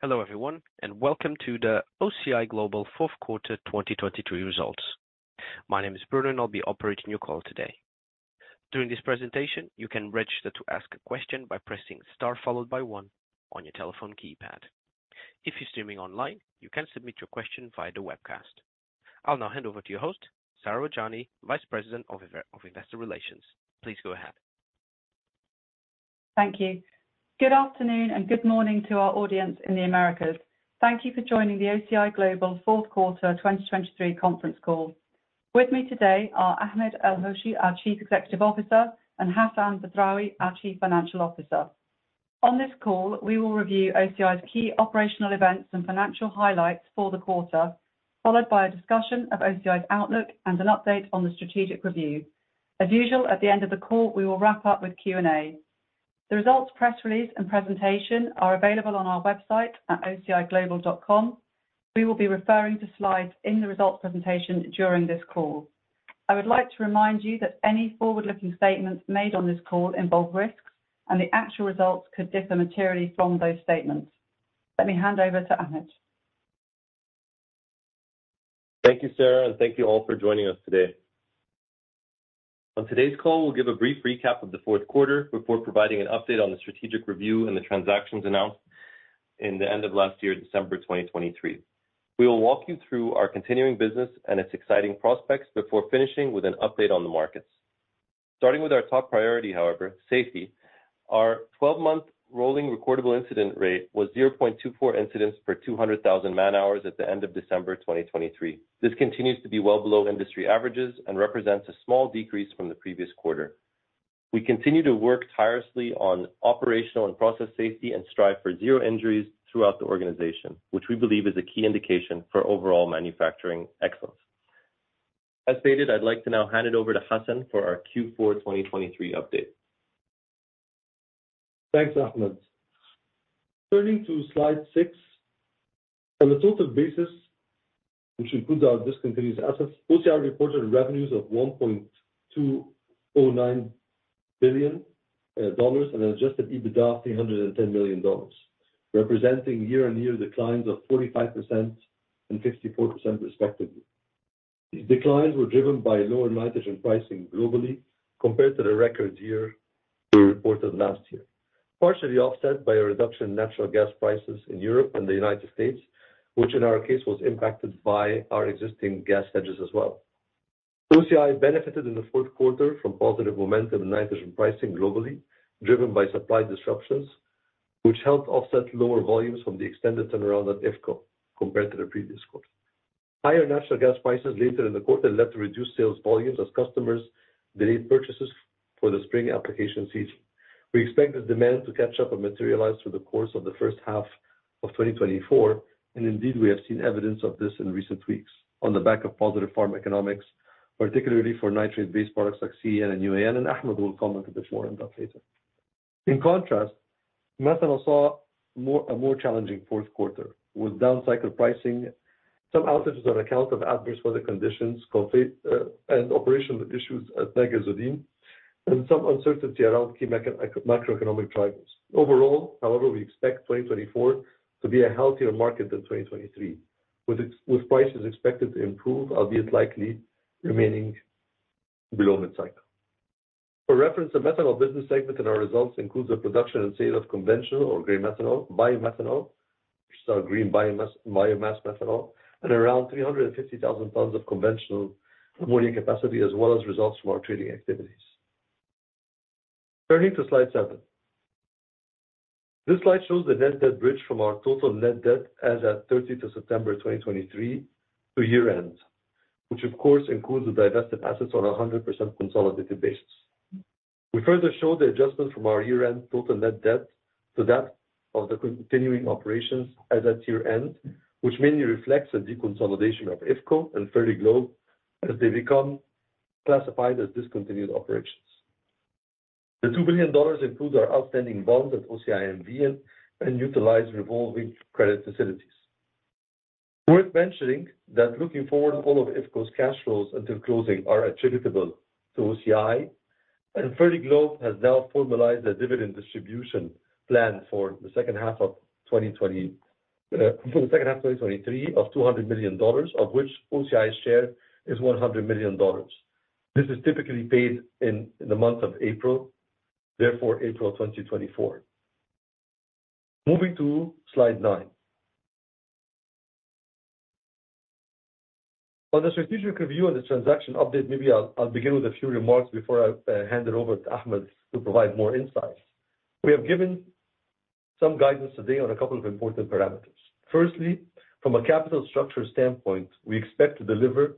Hello everyone and welcome to the OCI Global 4th Quarter 2023 results. My name is Bruno and I'll be operating your call today. During this presentation you can register to ask a question by pressing star followed by 1 on your telephone keypad. If you're streaming online you can submit your question via the webcast. I'll now hand over to your host, Sarah Rajani, Vice President of Investor Relations. Please go ahead. Thank you. Good afternoon and good morning to our audience in the Americas. Thank you for joining the OCI Global 4th Quarter 2023 conference call. With me today are Ahmed El-Hoshy, our Chief Executive Officer, and Hassan Badrawi, our Chief Financial Officer. On this call we will review OCI's key operational events and financial highlights for the quarter, followed by a discussion of OCI's outlook and an update on the strategic review. As usual at the end of the call we will wrap up with Q&A. The results press release and presentation are available on our website at ociglobal.com. We will be referring to slides in the results presentation during this call. I would like to remind you that any forward-looking statements made on this call involve risks and the actual results could differ materially from those statements. Let me hand over to Ahmed. Thank you Sarah and thank you all for joining us today. On today's call we'll give a brief recap of the 4th quarter before providing an update on the strategic review and the transactions announced in the end of last year December 2023. We will walk you through our continuing business and its exciting prospects before finishing with an update on the markets. Starting with our top priority, however, safety. Our 12-month rolling recordable incident rate was 0.24 incidents per 200,000 man-hours at the end of December 2023. This continues to be well below industry averages and represents a small decrease from the previous quarter. We continue to work tirelessly on operational and process safety and strive for zero injuries throughout the organization which we believe is a key indication for overall manufacturing excellence. As stated I'd like to now hand it over to Hassan for our Q4 2023 update. Thanks Ahmed. Turning to slide 6. On the total basis which includes our discontinued assets OCI reported revenues of $1.209 billion and an Adjusted EBITDA of $310 million representing year-on-year declines of 45% and 54% respectively. These declines were driven by lower nitrogen pricing globally compared to the record year we reported last year. Partially offset by a reduction in natural gas prices in Europe and the United States which in our case was impacted by our existing gas hedges as well. OCI benefited in the 4th quarter from positive momentum in nitrogen pricing globally driven by supply disruptions which helped offset lower volumes from the extended turnaround at IFCo compared to the previous quarter. Higher natural gas prices later in the quarter led to reduced sales volumes as customers delayed purchases for the spring application season. We expect this demand to catch up and materialize through the course of the first half of 2024 and indeed we have seen evidence of this in recent weeks on the back of positive farm economics particularly for nitrate-based products like CAN and UAN and Ahmed will comment on this more in depth later. In contrast methanol saw a more challenging 4th quarter with down-cycle pricing, some outages on account of adverse weather conditions and operational issues at Natgasoline and some uncertainty around key macroeconomic drivers. Overall however we expect 2024 to be a healthier market than 2023 with prices expected to improve albeit likely remaining below mid-cycle. For reference the methanol business segment in our results includes the production and sale of conventional or green methanol, biomethanol which is our green biomass methanol, and around 350,000 tonnes of conventional ammonia capacity as well as results from our trading activities. Turning to slide 7. This slide shows the net debt bridge from our total net debt as at 30 September 2023 to year-end which of course includes the divested assets on a 100% consolidated basis. We further show the adjustment from our year-end total net debt to that of the continuing operations as at year-end which mainly reflects a deconsolidation of IFCo and Fertiglobe as they become classified as discontinued operations. The $2 billion includes our outstanding bonds at OCI N.V. and utilize revolving credit facilities. Worth mentioning that looking forward all of IFCo's cash flows until closing are attributable to OCI and Fertiglobe has now formalized a dividend distribution plan for the second half of 2023 of $200 million of which OCI's share is $100 million. This is typically paid in the month of April therefore April 2024. Moving to slide 9. On the strategic review and the transaction update maybe I'll begin with a few remarks before I hand it over to Ahmed to provide more insights. We have given some guidance today on a couple of important parameters. Firstly from a capital structure standpoint we expect to deliver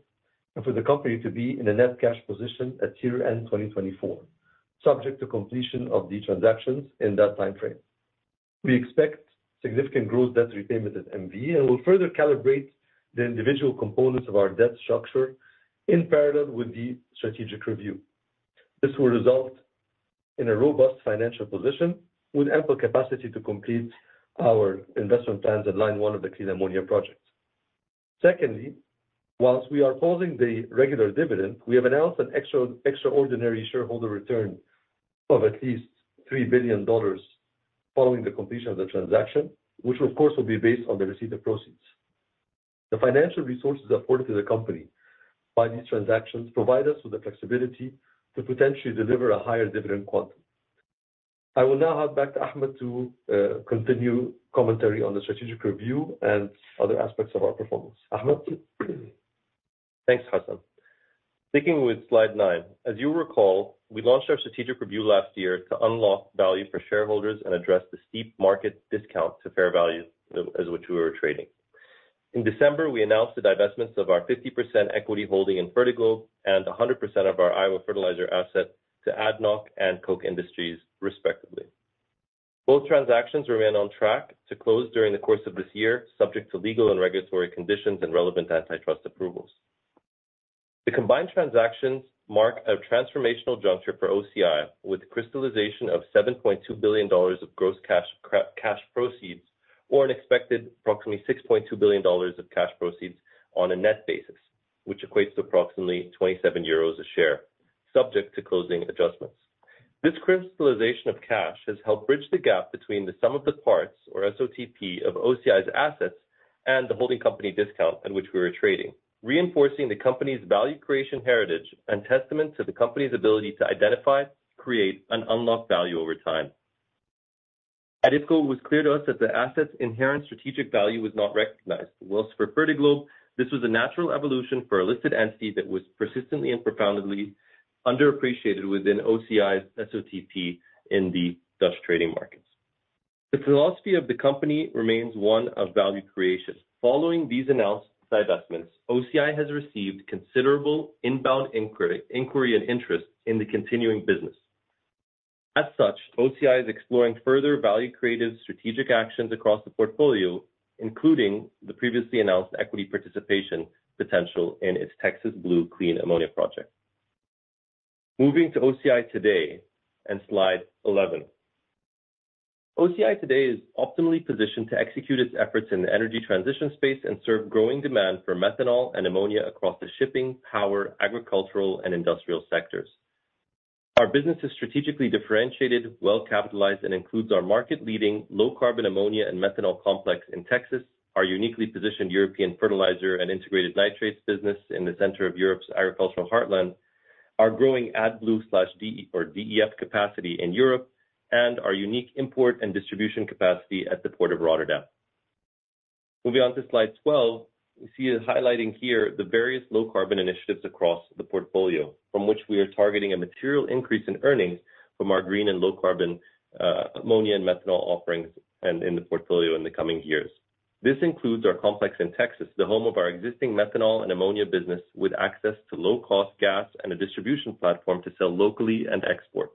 and for the company to be in a net cash position at year-end 2024 subject to completion of the transactions in that timeframe. We expect significant gross debt repayment at NV and we'll further calibrate the individual components of our debt structure in parallel with the strategic review. This will result in a robust financial position with ample capacity to complete our investment plans in line one of the clean ammonia projects. Secondly, while we are pausing the regular dividend, we have announced an extraordinary shareholder return of at least $3 billion following the completion of the transaction, which of course will be based on the receipt of proceeds. The financial resources afforded to the company by these transactions provide us with the flexibility to potentially deliver a higher dividend quantum. I will now hand back to Ahmed to continue commentary on the strategic review and other aspects of our performance. Ahmed? Thanks Hassan. Sticking with slide 9. As you recall we launched our strategic review last year to unlock value for shareholders and address the steep market discount to fair value at which we were trading. In December we announced the divestments of our 50% equity holding in Fertiglobe and 100% of our Iowa fertilizer asset to ADNOC and Koch Industries respectively. Both transactions remain on track to close during the course of this year subject to legal and regulatory conditions and relevant antitrust approvals. The combined transactions mark a transformational juncture for OCI with crystallisation of $7.2 billion of gross cash proceeds or an expected approximately $6.2 billion of cash proceeds on a net basis which equates to approximately 27 euros a share subject to closing adjustments. This crystallisation of cash has helped bridge the gap between the sum of the parts or SOTP of OCI's assets and the holding company discount at which we were trading, reinforcing the company's value creation heritage and testament to the company's ability to identify, create, and unlock value over time. At IFCo it was clear to us that the asset's inherent strategic value was not recognized. While for Fertiglobe this was a natural evolution for a listed entity that was persistently and profoundly underappreciated within OCI's SOTP in the Dutch trading markets. The philosophy of the company remains one of value creation. Following these announced divestments OCI has received considerable inbound inquiry and interest in the continuing business. As such OCI is exploring further value creative strategic actions across the portfolio including the previously announced equity participation potential in its Texas Blue Clean Ammonia project. Moving to OCI today and slide 11. OCI today is optimally positioned to execute its efforts in the energy transition space and serve growing demand for methanol and ammonia across the shipping, power, agricultural, and industrial sectors. Our business is strategically differentiated, well-capitalized, and includes our market-leading low-carbon ammonia and methanol complex in Texas, our uniquely positioned European fertilizer and integrated nitrates business in the center of Europe's agricultural heartland, our growing AdBlue/DEF capacity in Europe, and our unique import and distribution capacity at the port of Rotterdam. Moving on to slide 12, we see highlighting here the various low-carbon initiatives across the portfolio from which we are targeting a material increase in earnings from our green and low-carbon ammonia and methanol offerings in the portfolio in the coming years. This includes our complex in Texas, the home of our existing methanol and ammonia business with access to low-cost gas and a distribution platform to sell locally and export.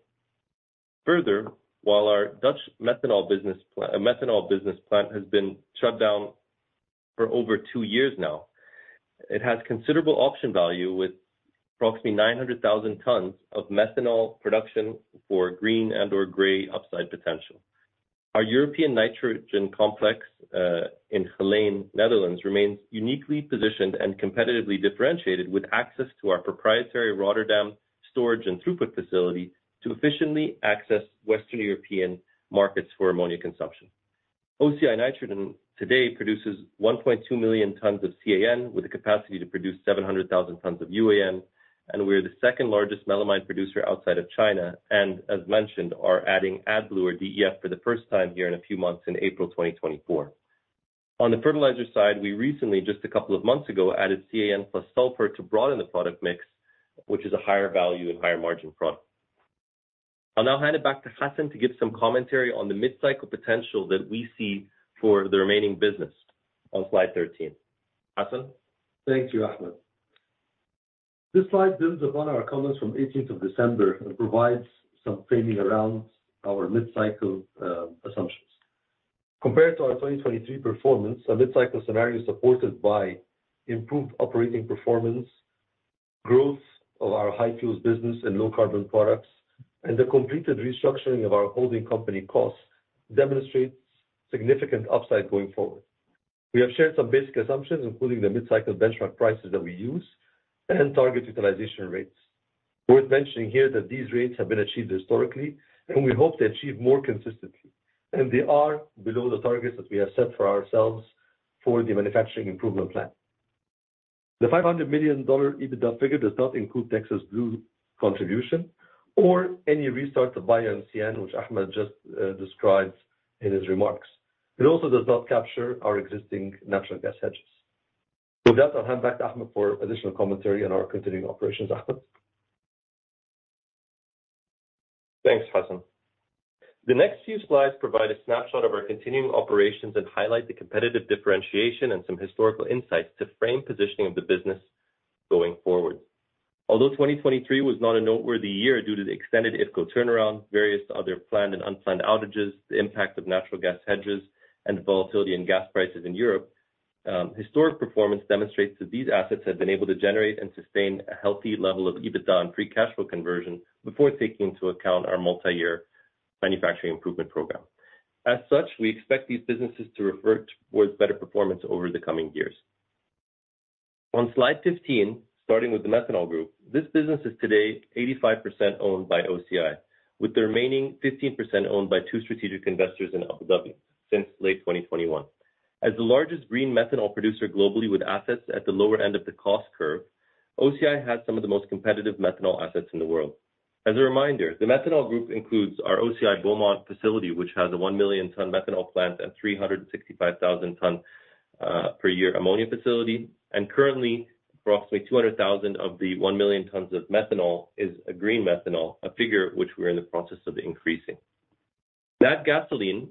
Further, while our Dutch methanol business plant has been shut down for over two years now, it has considerable option value with approximately 900,000 tonnes of methanol production for green and/or gray upside potential. Our European nitrogen complex in Geleen, Netherlands, remains uniquely positioned and competitively differentiated with access to our proprietary Rotterdam storage and throughput facility to efficiently access Western European markets for ammonia consumption. OCI Nitrogen today produces 1.2 million tonnes of CAN with a capacity to produce 700,000 tonnes of UAN, and we're the second largest melamine producer outside of China and, as mentioned, are adding AdBlue or DEF for the first time here in a few months in April 2024. On the fertilizer side, we recently just a couple of months ago added CAN plus sulfur to broaden the product mix, which is a higher value and higher margin product. I'll now hand it back to Hassan to give some commentary on the mid-cycle potential that we see for the remaining business on slide 13. Hassan? Thank you, Ahmed. This slide builds upon our comments from 18 December and provides some framing around our mid-cycle assumptions. Compared to our 2023 performance, a mid-cycle scenario supported by improved operating performance, growth of our high-fuels business and low-carbon products, and the completed restructuring of our holding company costs demonstrates significant upside going forward. We have shared some basic assumptions including the mid-cycle benchmark prices that we use and target utilization rates. Worth mentioning here that these rates have been achieved historically and we hope to achieve more consistently, and they are below the targets that we have set for ourselves for the manufacturing improvement plan. The $500 million EBITDA figure does not include Texas Blue contribution or any restart to BioMCN which Ahmed just described in his remarks. It also does not capture our existing natural gas hedges. With that, I'll hand back to Ahmed for additional commentary on our continuing operations, Ahmed. Thanks, Hassan. The next few slides provide a snapshot of our continuing operations and highlight the competitive differentiation and some historical insights to frame positioning of the business going forward. Although 2023 was not a noteworthy year due to the extended IFCo turnaround, various other planned and unplanned outages, the impact of natural gas hedges, and volatility in gas prices in Europe, historic performance demonstrates that these assets have been able to generate and sustain a healthy level of EBITDA and free cash flow conversion before taking into account our multi-year manufacturing improvement program. As such, we expect these businesses to revert towards better performance over the coming years. On slide 15, starting with the methanol group, this business is today 85% owned by OCI with the remaining 15% owned by two strategic investors in Abu Dhabi since late 2021. As the largest green methanol producer globally with assets at the lower end of the cost curve, OCI has some of the most competitive methanol assets in the world. As a reminder, the methanol group includes our OCI Beaumont facility, which has a 1 million tonnes methanol plant and 365,000 tonnes per year ammonia facility, and currently approximately 200,000 of the 1 million tonnes of methanol is a green methanol, a figure which we're in the process of increasing. Natgasoline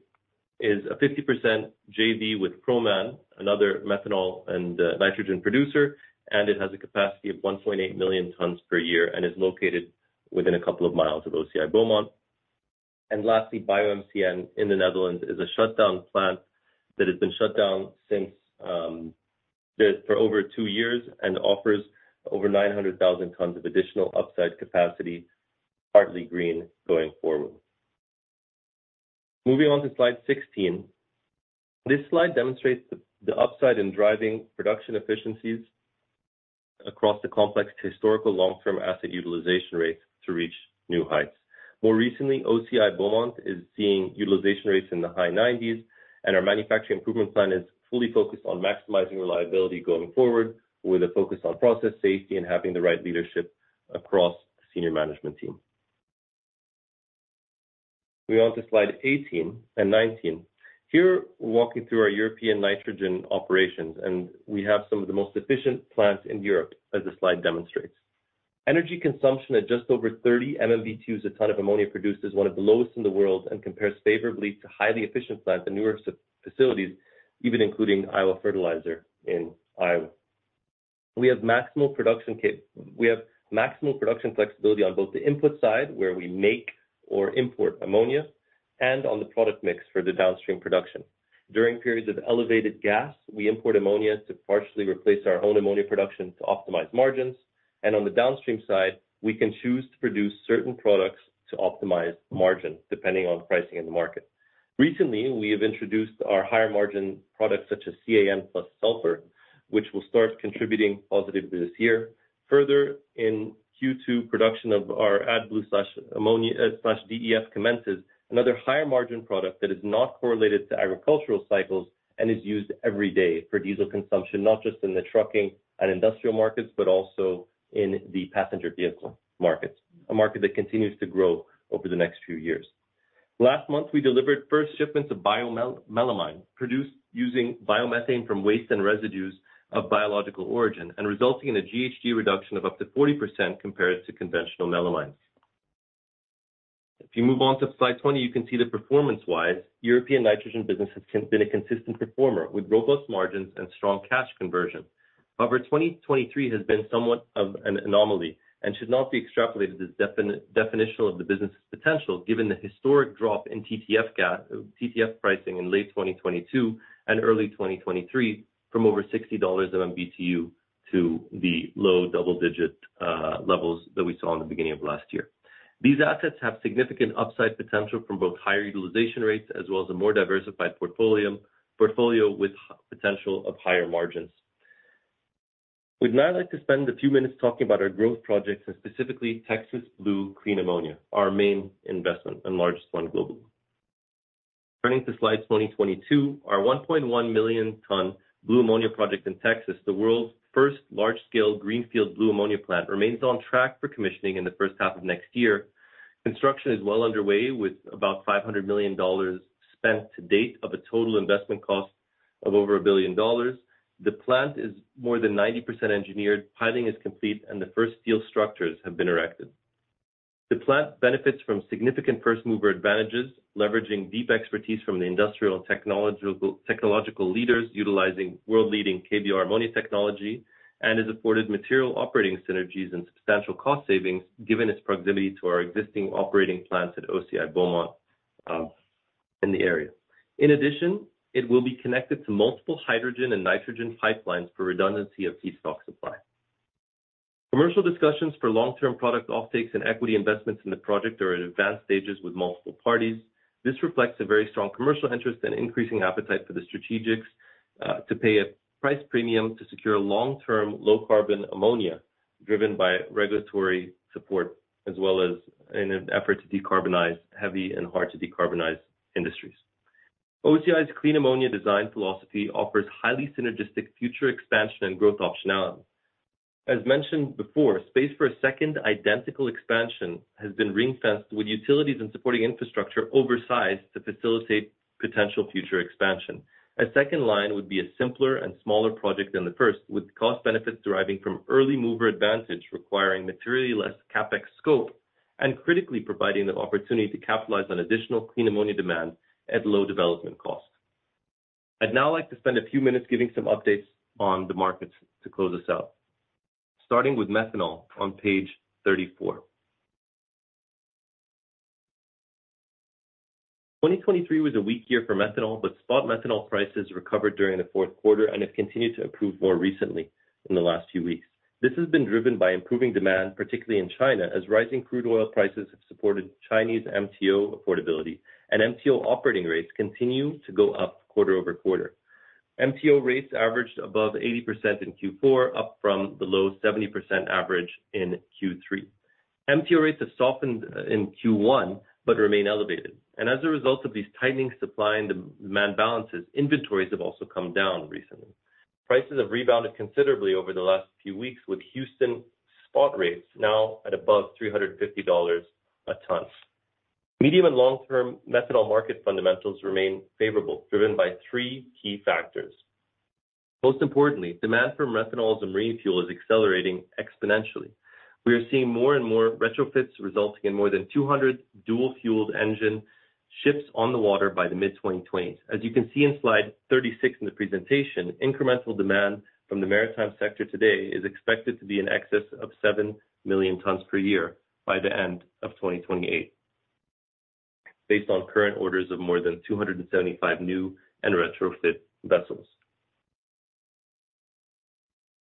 is a 50% JV with Proman, another methanol and nitrogen producer, and it has a capacity of 1.8 million tonnes per year and is located within a couple of miles of OCI Beaumont. And lastly, BioMCN in the Netherlands is a shutdown plant that has been shut down since for over two years and offers over 900,000 tonnes of additional upside capacity partly green going forward. Moving on to slide 16. This slide demonstrates the upside in driving production efficiencies across the complex historical long-term asset utilization rates to reach new heights. More recently OCI Beaumont is seeing utilization rates in the high 90s and our manufacturing improvement plan is fully focused on maximizing reliability going forward with a focus on process safety and having the right leadership across the senior management team. Moving on to slide 18 and 19. Here we're walking through our European nitrogen operations and we have some of the most efficient plants in Europe as the slide demonstrates. Energy consumption at just over 30 MMBtu a ton of ammonia produced is one of the lowest in the world and compares favorably to highly efficient plants and newer facilities even including Iowa Fertilizer in Iowa. We have maximal production capability on both the input side where we make or import ammonia and on the product mix for the downstream production. During periods of elevated gas we import ammonia to partially replace our own ammonia production to optimize margins and on the downstream side we can choose to produce certain products to optimize margin depending on pricing in the market. Recently we have introduced our higher margin products such as CAN plus sulfur which will start contributing positively this year. Further, in Q2 production of our AdBlue/ammonia/DEF commences, another higher margin product that is not correlated to agricultural cycles and is used every day for diesel consumption not just in the trucking and industrial markets but also in the passenger vehicle markets, a market that continues to grow over the next few years. Last month we delivered first shipments of biomelamine produced using biomethane from waste and residues of biological origin and resulting in a GHG reduction of up to 40% compared to conventional melamines. If you move on to slide 20 you can see that performance-wise European nitrogen business has been a consistent performer with robust margins and strong cash conversion. However 2023 has been somewhat of an anomaly and should not be extrapolated as definitional of the business's potential given the historic drop in TTF pricing in late 2022 and early 2023 from over $60/MMBtu to the low double-digit levels that we saw in the beginning of last year. These assets have significant upside potential from both higher utilization rates as well as a more diversified portfolio with potential of higher margins. Would now like to spend a few minutes talking about our growth projects and specifically Texas Blue Clean Ammonia, our main investment and largest one globally. Turning to slide 2022, our 1.1 million tonnes blue ammonia project in Texas, the world's first large-scale greenfield blue ammonia plant, remains on track for commissioning in the first half of next year. Construction is well underway with about $500 million spent to date of a total investment cost of over $1 billion. The plant is more than 90% engineered, piling is complete, and the first steel structures have been erected. The plant benefits from significant first-mover advantages leveraging deep expertise from the industrial and technological leaders utilizing world-leading KBR ammonia technology and has afforded material operating synergies and substantial cost savings given its proximity to our existing operating plants at OCI Beaumont in the area. In addition it will be connected to multiple hydrogen and nitrogen pipelines for redundancy of feedstock supply. Commercial discussions for long-term product offtakes and equity investments in the project are at advanced stages with multiple parties. This reflects a very strong commercial interest and increasing appetite for the strategics to pay a price premium to secure long-term low-carbon ammonia driven by regulatory support as well as in an effort to decarbonize heavy and hard-to-decarbonize industries. OCI's Clean Ammonia design philosophy offers highly synergistic future expansion and growth optionality. As mentioned before space for a second identical expansion has been ring-fenced with utilities and supporting infrastructure oversized to facilitate potential future expansion. A second line would be a simpler and smaller project than the first with cost benefits deriving from early-mover advantage requiring materially less CapEx scope and critically providing the opportunity to capitalize on additional clean ammonia demand at low development cost. I'd now like to spend a few minutes giving some updates on the markets to close us out. Starting with methanol on page 34. 2023 was a weak year for methanol but spot methanol prices recovered during the fourth quarter and have continued to improve more recently in the last few weeks. This has been driven by improving demand particularly in China as rising crude oil prices have supported Chinese MTO affordability and MTO operating rates continue to go up quarter-over-quarter. MTO rates averaged above 80% in Q4 up from the low-70% average in Q3. MTO rates have softened in Q1 but remain elevated and as a result of these tightening supply and demand balances inventories have also come down recently. Prices have rebounded considerably over the last few weeks with Houston spot rates now at above $350/tonne. Medium- and long-term methanol market fundamentals remain favorable driven by three key factors. Most importantly demand for methanols and marine fuel is accelerating exponentially. We are seeing more and more retrofits resulting in more than 200 dual-fueled engine ships on the water by the mid-2020s. As you can see in slide 36 in the presentation incremental demand from the maritime sector today is expected to be in excess of 7 million tonnes per year by the end of 2028 based on current orders of more than 275 new and retrofit vessels.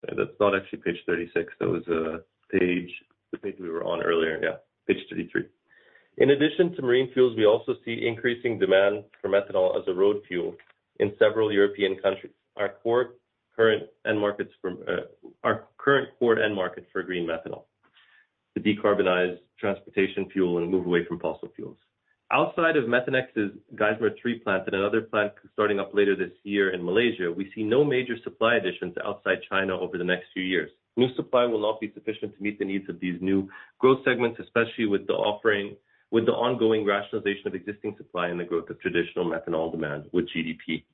That's not actually page 36. That was the page we were on earlier, yeah, page 33. In addition to marine fuels, we also see increasing demand for methanol as a road fuel in several European countries, our core current end markets for our current core end market for green methanol to decarbonize transportation fuel and move away from fossil fuels. Outside of Methanex's Geismar 3 plant and another plant starting up later this year in Malaysia, we see no major supply additions outside China over the next few years. New supply will not be sufficient to meet the needs of these new growth segments, especially with the ongoing rationalization of existing supply and the growth of traditional methanol demand with GDP.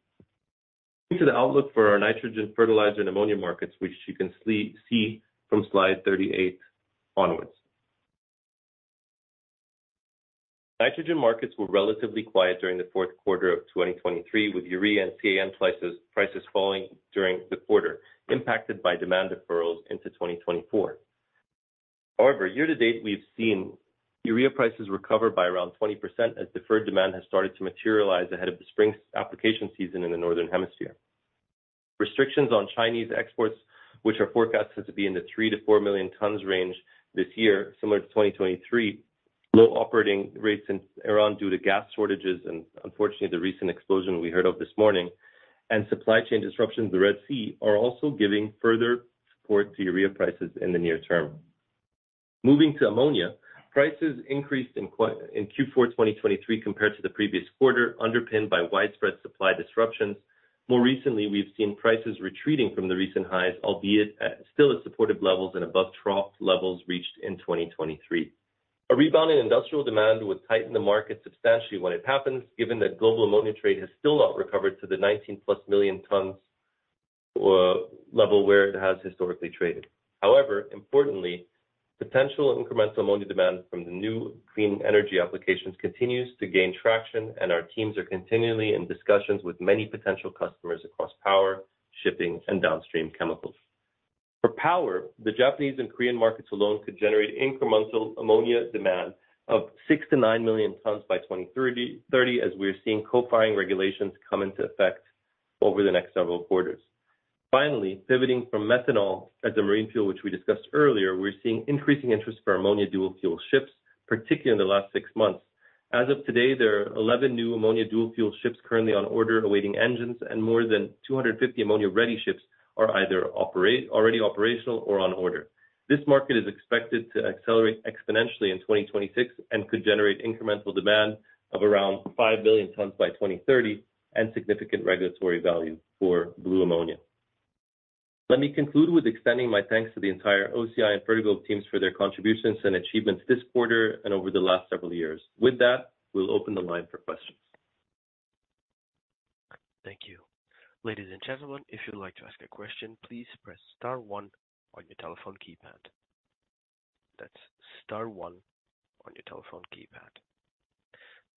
Moving to the outlook for our nitrogen fertilizer and ammonia markets, which you can see from slide 38 onwards. Nitrogen markets were relatively quiet during the fourth quarter of 2023 with urea and CAN prices falling during the quarter impacted by demand deferrals into 2024. However year to date we've seen urea prices recover by around 20% as deferred demand has started to materialize ahead of the spring application season in the northern hemisphere. Restrictions on Chinese exports which are forecast to be in the 3-4 million tons range this year similar to 2023, low operating rates in Iran due to gas shortages and unfortunately the recent explosion we heard of this morning, and supply chain disruptions in the Red Sea are also giving further support to urea prices in the near term. Moving to ammonia prices increased in Q4 2023 compared to the previous quarter underpinned by widespread supply disruptions. More recently we've seen prices retreating from the recent highs albeit still at supportive levels and above trough levels reached in 2023. A rebound in industrial demand would tighten the market substantially when it happens given that global ammonia trade has still not recovered to the 19+ million tonnes level where it has historically traded. However importantly potential incremental ammonia demand from the new clean energy applications continues to gain traction and our teams are continually in discussions with many potential customers across power, shipping, and downstream chemicals. For power the Japanese and Korean markets alone could generate incremental ammonia demand of 6-9 million tonnes by 2030 as we're seeing co-firing regulations come into effect over the next several quarters. Finally pivoting from methanol as a marine fuel which we discussed earlier we're seeing increasing interest for ammonia dual-fuel ships particularly in the last six months. As of today, there are 11 new ammonia dual-fuel ships currently on order awaiting engines and more than 250 ammonia-ready ships are either already operational or on order. This market is expected to accelerate exponentially in 2026 and could generate incremental demand of around 5 billion tonnes by 2030 and significant regulatory value for blue ammonia. Let me conclude with extending my thanks to the entire OCI and Fertiglobe teams for their contributions and achievements this quarter and over the last several years. With that we'll open the line for questions. Thank you. Ladies and gentlemen, if you'd like to ask a question please press star one on your telephone keypad. That's star one on your telephone keypad.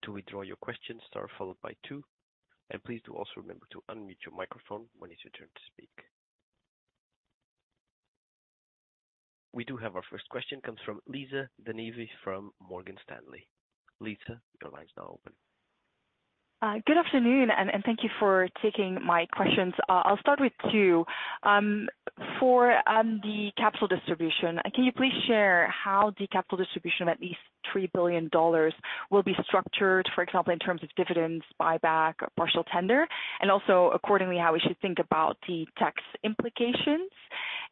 To withdraw your question star followed by two and please do also remember to unmute your microphone when it's your turn to speak. We do have our first question from Lisa De Neve from Morgan Stanley. Lisa, your line's now open. Good afternoon and thank you for taking my questions. I'll start with two. For the capital distribution, can you please share how the capital distribution of at least $3 billion will be structured, for example in terms of dividends, buyback, partial tender, and also accordingly how we should think about the tax implications?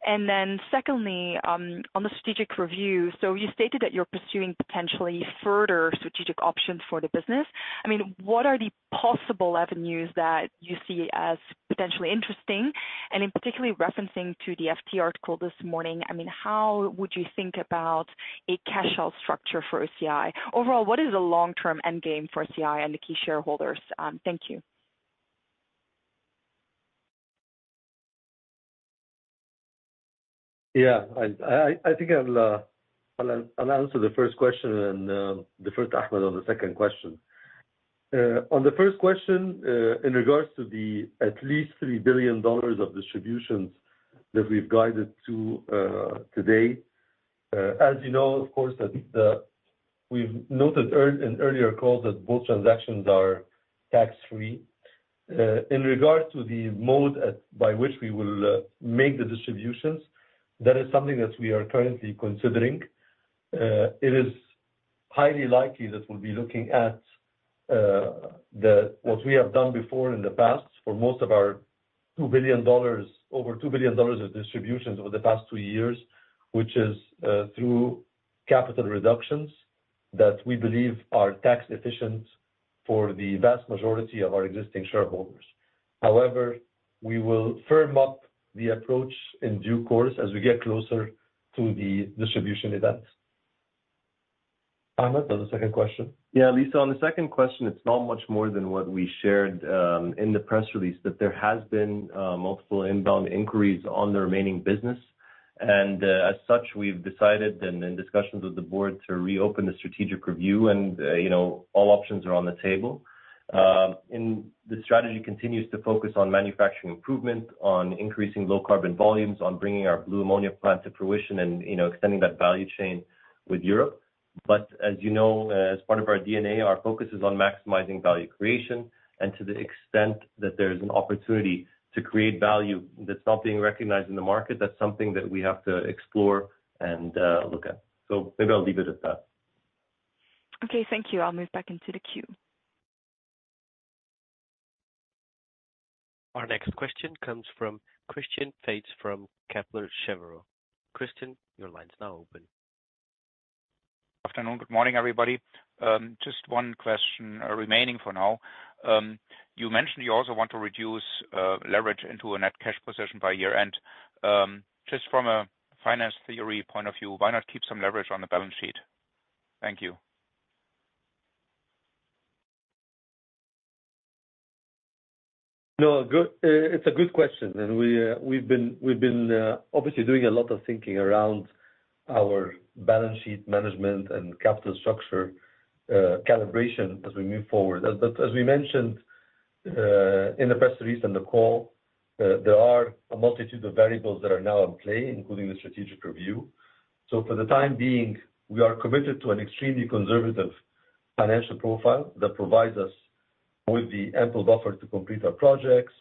And then secondly on the strategic review, so you stated that you're pursuing potentially further strategic options for the business. I mean what are the possible avenues that you see as potentially interesting and in particularly referencing to the FT article this morning I mean how would you think about a cash-out structure for OCI? Overall what is the long-term endgame for OCI and the key shareholders? Thank you. Yeah, I think I'll answer the first question and then Ahmed on the second question. On the first question in regards to the at least $3 billion of distributions that we've guided to today, as you know of course that we've noted in earlier calls that both transactions are tax-free. In regard to the mode by which we will make the distributions, that is something that we are currently considering. It is highly likely that we'll be looking at what we have done before in the past for most of our $2 billion over $2 billion of distributions over the past two years which is through capital reductions that we believe are tax-efficient for the vast majority of our existing shareholders. However we will firm up the approach in due course as we get closer to the distribution event. Ahmed on the second question. Yeah, Lisa, on the second question, it's not much more than what we shared in the press release that there has been multiple inbound inquiries on the remaining business and as such we've decided and in discussions with the board to reopen the strategic review and all options are on the table. The strategy continues to focus on manufacturing improvement, on increasing low-carbon volumes, on bringing our blue ammonia plant to fruition, and extending that value chain with Europe. But as you know as part of our DNA our focus is on maximizing value creation and to the extent that there is an opportunity to create value that's not being recognized in the market that's something that we have to explore and look at. So maybe I'll leave it at that. Okay, thank you. I'll move back into the queue. Our next question comes from Christian Faitz from Kepler Cheuvreux. Christian, your line's now open. Afternoon, good morning, everybody. Just one question remaining for now. You mentioned you also want to reduce leverage into a net cash position by year-end. Just from a finance theory point of view, why not keep some leverage on the balance sheet? Thank you. No, it's a good question, and we've been obviously doing a lot of thinking around our balance sheet management and capital structure calibration as we move forward. But as we mentioned in the press release and the call, there are a multitude of variables that are now in play, including the strategic review. So for the time being, we are committed to an extremely conservative financial profile that provides us with the ample buffer to complete our projects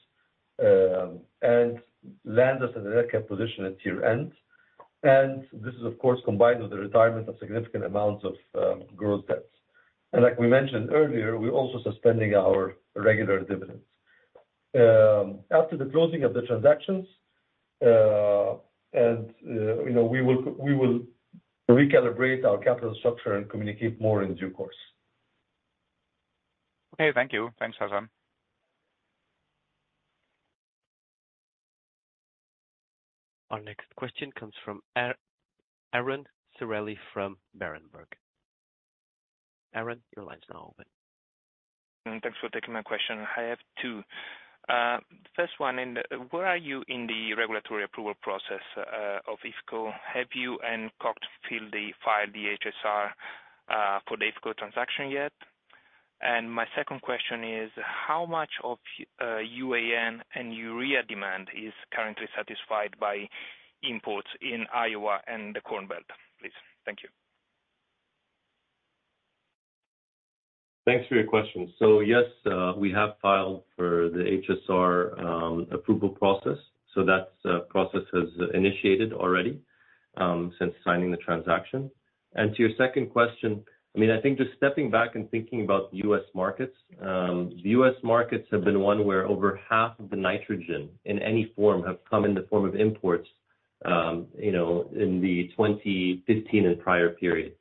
and lands us at a net cash position at year-end. This is of course combined with the retirement of significant amounts of growth debts. Like we mentioned earlier we're also suspending our regular dividends. After the closing of the transactions we will recalibrate our capital structure and communicate more in due course. Okay thank you. Thanks Hassan. Our next question comes from Aron Ceccarelli from Berenberg. Aron your line's now open. Thanks for taking my question. I have two. The first one where are you in the regulatory approval process of IFCo? Have you and Koch filed the HSR for the IFCo transaction yet? And my second question is how much of UAN and urea demand is currently satisfied by imports in Iowa and the Corn Belt please? Thank you. Thanks for your question. So yes we have filed for the HSR approval process so that process has initiated already since signing the transaction. To your second question, I mean, I think, just stepping back and thinking about the U.S. markets. The U.S. markets have been one where over half of the nitrogen in any form have come in the form of imports in the 2015 and prior period.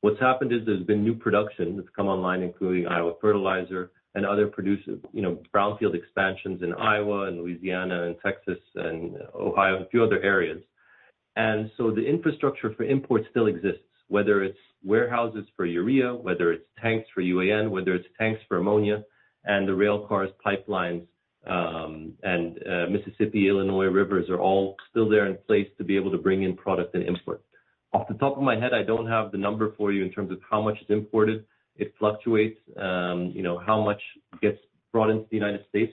What's happened is there's been new production that's come online including Iowa Fertilizer and other brownfield expansions in Iowa and Louisiana and Texas and Ohio and a few other areas. And so the infrastructure for imports still exists whether it's warehouses for urea, whether it's tanks for UAN, whether it's tanks for ammonia, and the railcars, pipelines, and Mississippi, Illinois Rivers are all still there in place to be able to bring in product and import. Off the top of my head I don't have the number for you in terms of how much is imported. It fluctuates. How much gets brought into the United States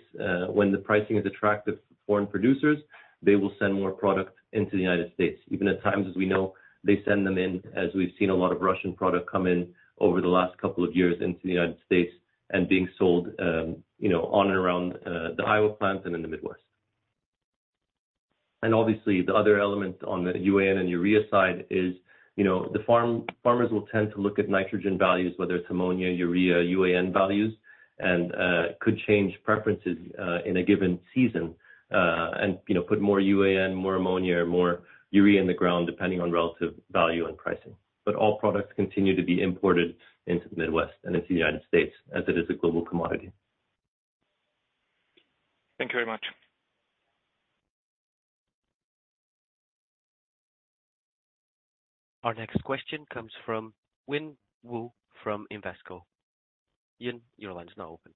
when the pricing is attractive for foreign producers? They will send more product into the United States. Even at times, as we know, they send them in, as we've seen a lot of Russian product come in over the last couple of years into the United States and being sold on and around the Iowa plants and in the Midwest. And obviously the other element on the UAN and urea side is the farmers will tend to look at nitrogen values whether it's ammonia, urea, UAN values and could change preferences in a given season and put more UAN, more ammonia, more urea in the ground depending on relative value and pricing. But all products continue to be imported into the Midwest and into the United States as it is a global commodity. Thank you very much. Our next question comes from Nian Wu from Invesco. Nian, your line's now open.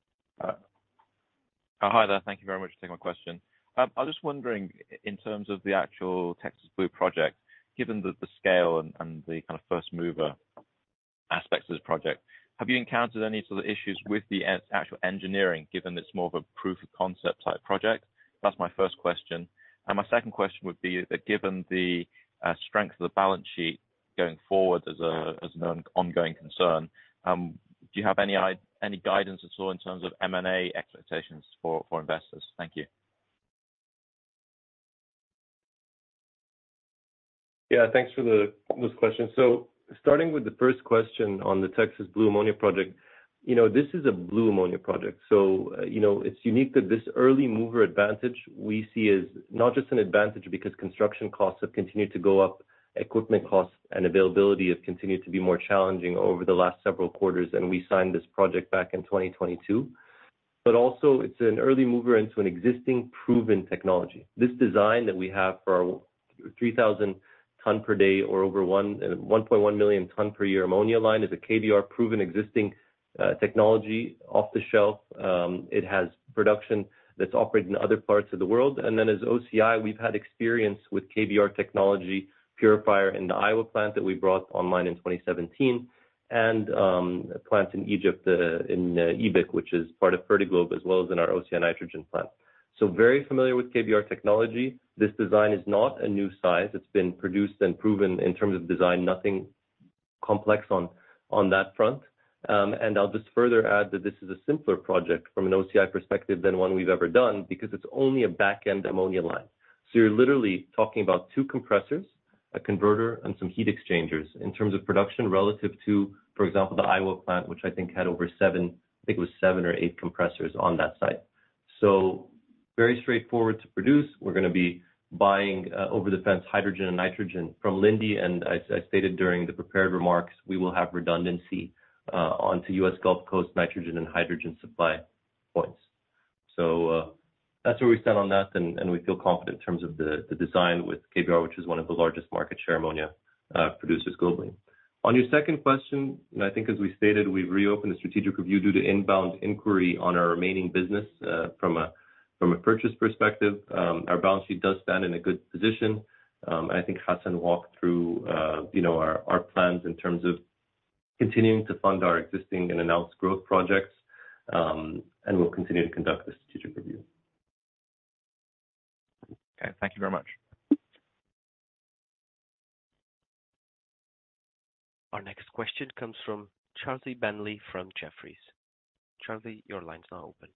Hi there. Thank you very much for taking my question. I was just wondering in terms of the actual Texas Blue project given the scale and the kind of first mover aspects of this project, have you encountered any sort of issues with the actual engineering given it's more of a proof of concept type project? That's my first question. And my second question would be that given the strength of the balance sheet going forward as an ongoing concern, do you have any guidance at all in terms of M&A expectations for investors? Thank you. Yeah, thanks for this question. So starting with the first question on the Texas blue ammonia project. This is a blue ammonia project so it's unique that this early mover advantage we see is not just an advantage because construction costs have continued to go up, equipment costs and availability have continued to be more challenging over the last several quarters and we signed this project back in 2022. But also it's an early mover into an existing proven technology. This design that we have for our 3,000 tonnes per day or over 1.1 million tonnes per year ammonia line is a KBR proven existing technology off the shelf. It has production that's operated in other parts of the world. And then as OCI we've had experience with KBR technology Purifier in the Iowa plant that we brought online in 2017 and plants in Egypt in EBIC which is part of Fertiglobe as well as in our OCI Nitrogen plant. So very familiar with KBR technology. This design is not a new size. It's been produced and proven in terms of design nothing complex on that front. I'll just further add that this is a simpler project from an OCI perspective than one we've ever done because it's only a back-end ammonia line. So you're literally talking about 2 compressors, a converter, and some heat exchangers in terms of production relative to for example the Iowa plant which I think had over 7 I think it was 7 or 8 compressors on that site. So very straightforward to produce. We're going to be buying over-the-fence hydrogen and nitrogen from Linde and I stated during the prepared remarks we will have redundancy onto US Gulf Coast nitrogen and hydrogen supply points. So that's where we stand on that and we feel confident in terms of the design with KBR which is one of the largest market share ammonia producers globally. On your second question I think as we stated we've reopened the strategic review due to inbound inquiry on our remaining business from a purchase perspective. Our balance sheet does stand in a good position. I think Hassan walked through our plans in terms of continuing to fund our existing and announced growth projects and we'll continue to conduct the strategic review. Okay thank you very much. Our next question comes from Charlie Bentley from Jefferies. Charlie, your line's now open.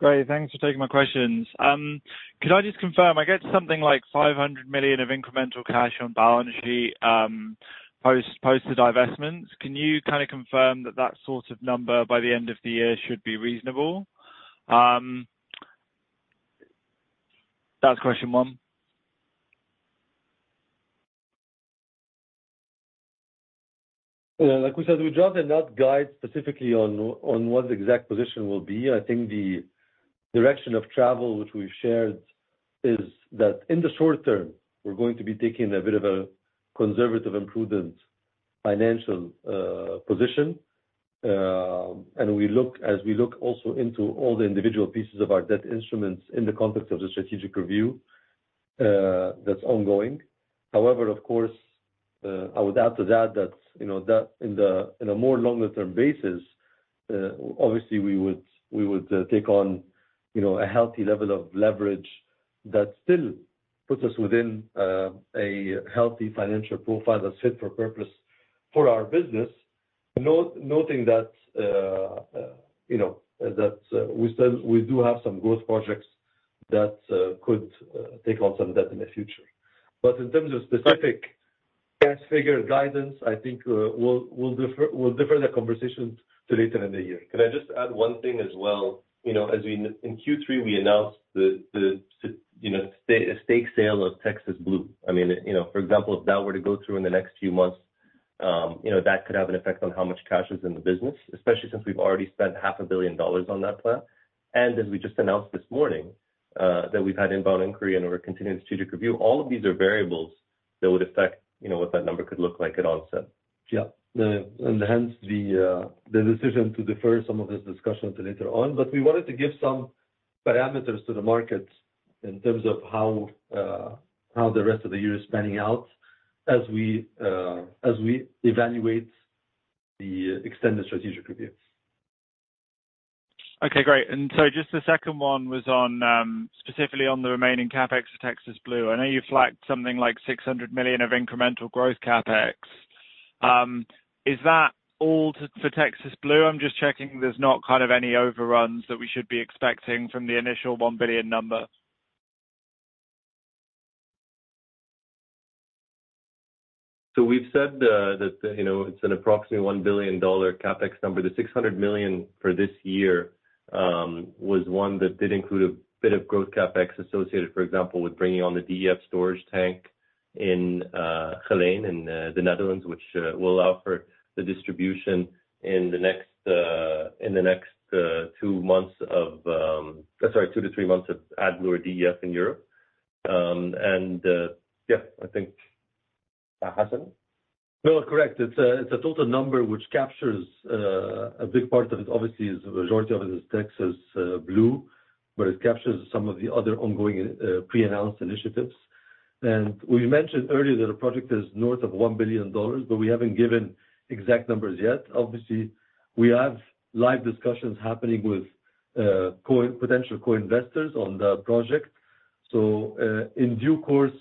Great. Thanks for taking my questions. Could I just confirm I get something like $500 million of incremental cash on balance sheet post the divestments. Can you kind of confirm that that sort of number by the end of the year should be reasonable? That's question one. Like we said we drafted that guide specifically on what the exact position will be. I think the direction of travel which we've shared is that in the short term we're going to be taking a bit of a conservative and prudent financial position. And we look also into all the individual pieces of our debt instruments in the context of the strategic review that's ongoing. However, of course I would add to that that in a more longer-term basis obviously we would take on a healthy level of leverage that still puts us within a healthy financial profile that's fit for purpose for our business noting that we do have some growth projects that could take on some debt in the future. But in terms of specific cash figure guidance, I think we'll defer the conversation to later in the year. Can I just add one thing as well? As we in Q3 we announced the stake sale of Texas Blue. I mean, for example, if that were to go through in the next few months, that could have an effect on how much cash is in the business, especially since we've already spent $500 million on that plant. And as we just announced this morning that we've had inbound inquiry and we're continuing the strategic review, all of these are variables that would affect what that number could look like at onset. Yeah. And hence the decision to defer some of this discussion to later on. But we wanted to give some parameters to the markets in terms of how the rest of the year is spanning out as we evaluate the extended strategic review. Okay, great. And so just the second one was specifically on the remaining CapEx for Texas Blue. I know you flagged something like $600 million of incremental growth CapEx. Is that all for Texas Blue? I'm just checking there's not kind of any overruns that we should be expecting from the initial $1 billion number. So we've said that it's an approximate $1 billion CapEx number. The $600 million for this year was one that did include a bit of growth CapEx associated for example with bringing on the DEF storage tank in Geleen in the Netherlands which will allow for the distribution in the next two months of sorry two to three months of AdBlue or DEF in Europe. Yeah, I think, Hassan. No, correct. It's a total number which captures a big part of it. Obviously, the majority of it is Texas Blue, but it captures some of the other ongoing pre-announced initiatives. We mentioned earlier that the project is north of $1 billion, but we haven't given exact numbers yet. Obviously, we have live discussions happening with potential co-investors on the project. In due course,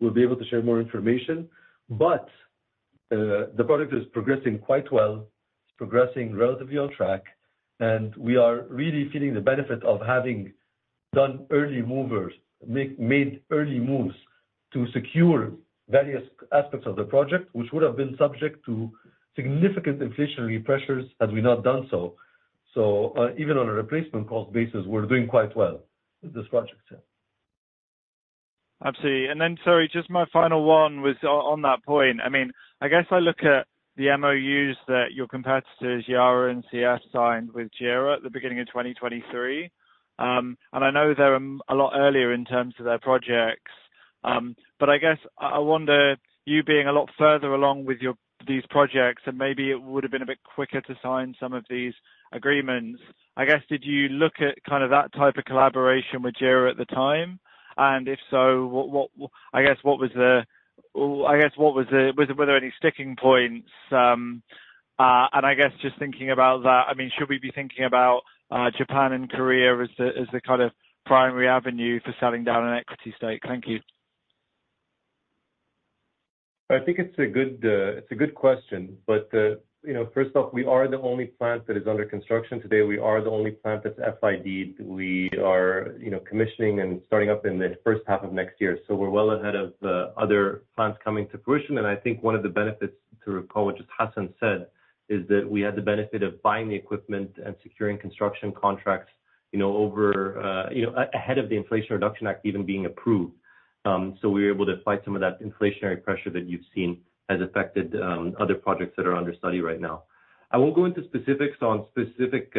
we'll be able to share more information. The project is progressing quite well. It's progressing relatively on track, and we are really feeling the benefit of having done early movers made early moves to secure various aspects of the project which would have been subject to significant inflationary pressures had we not done so. Even on a replacement cost basis, we're doing quite well with this project. Yeah. Absolutely. Then sorry, just my final one was on that point. I mean, I guess I look at the MOUs that your competitors Yara and CF signed with JERA at the beginning of 2023, and I know they're a lot earlier in terms of their projects. But I guess I wonder, you being a lot further along with these projects and maybe it would have been a bit quicker to sign some of these agreements. I guess did you look at kind of that type of collaboration with JERA at the time? And if so, I guess what was the—I guess what was the—were there any sticking points? And I guess just thinking about that, I mean, should we be thinking about Japan and Korea as the kind of primary avenue for selling down an equity stake? Thank you. I think it's a good question. But first off, we are the only plant that is under construction today. We are the only plant that's FID'd. We are commissioning and starting up in the first half of next year. So we're well ahead of other plants coming to fruition. And I think one of the benefits, to recall what just Hassan said, is that we had the benefit of buying the equipment and securing construction contracts over ahead of the Inflation Reduction Act even being approved. So we were able to fight some of that inflationary pressure that you've seen has affected other projects that are under study right now. I won't go into specifics on specific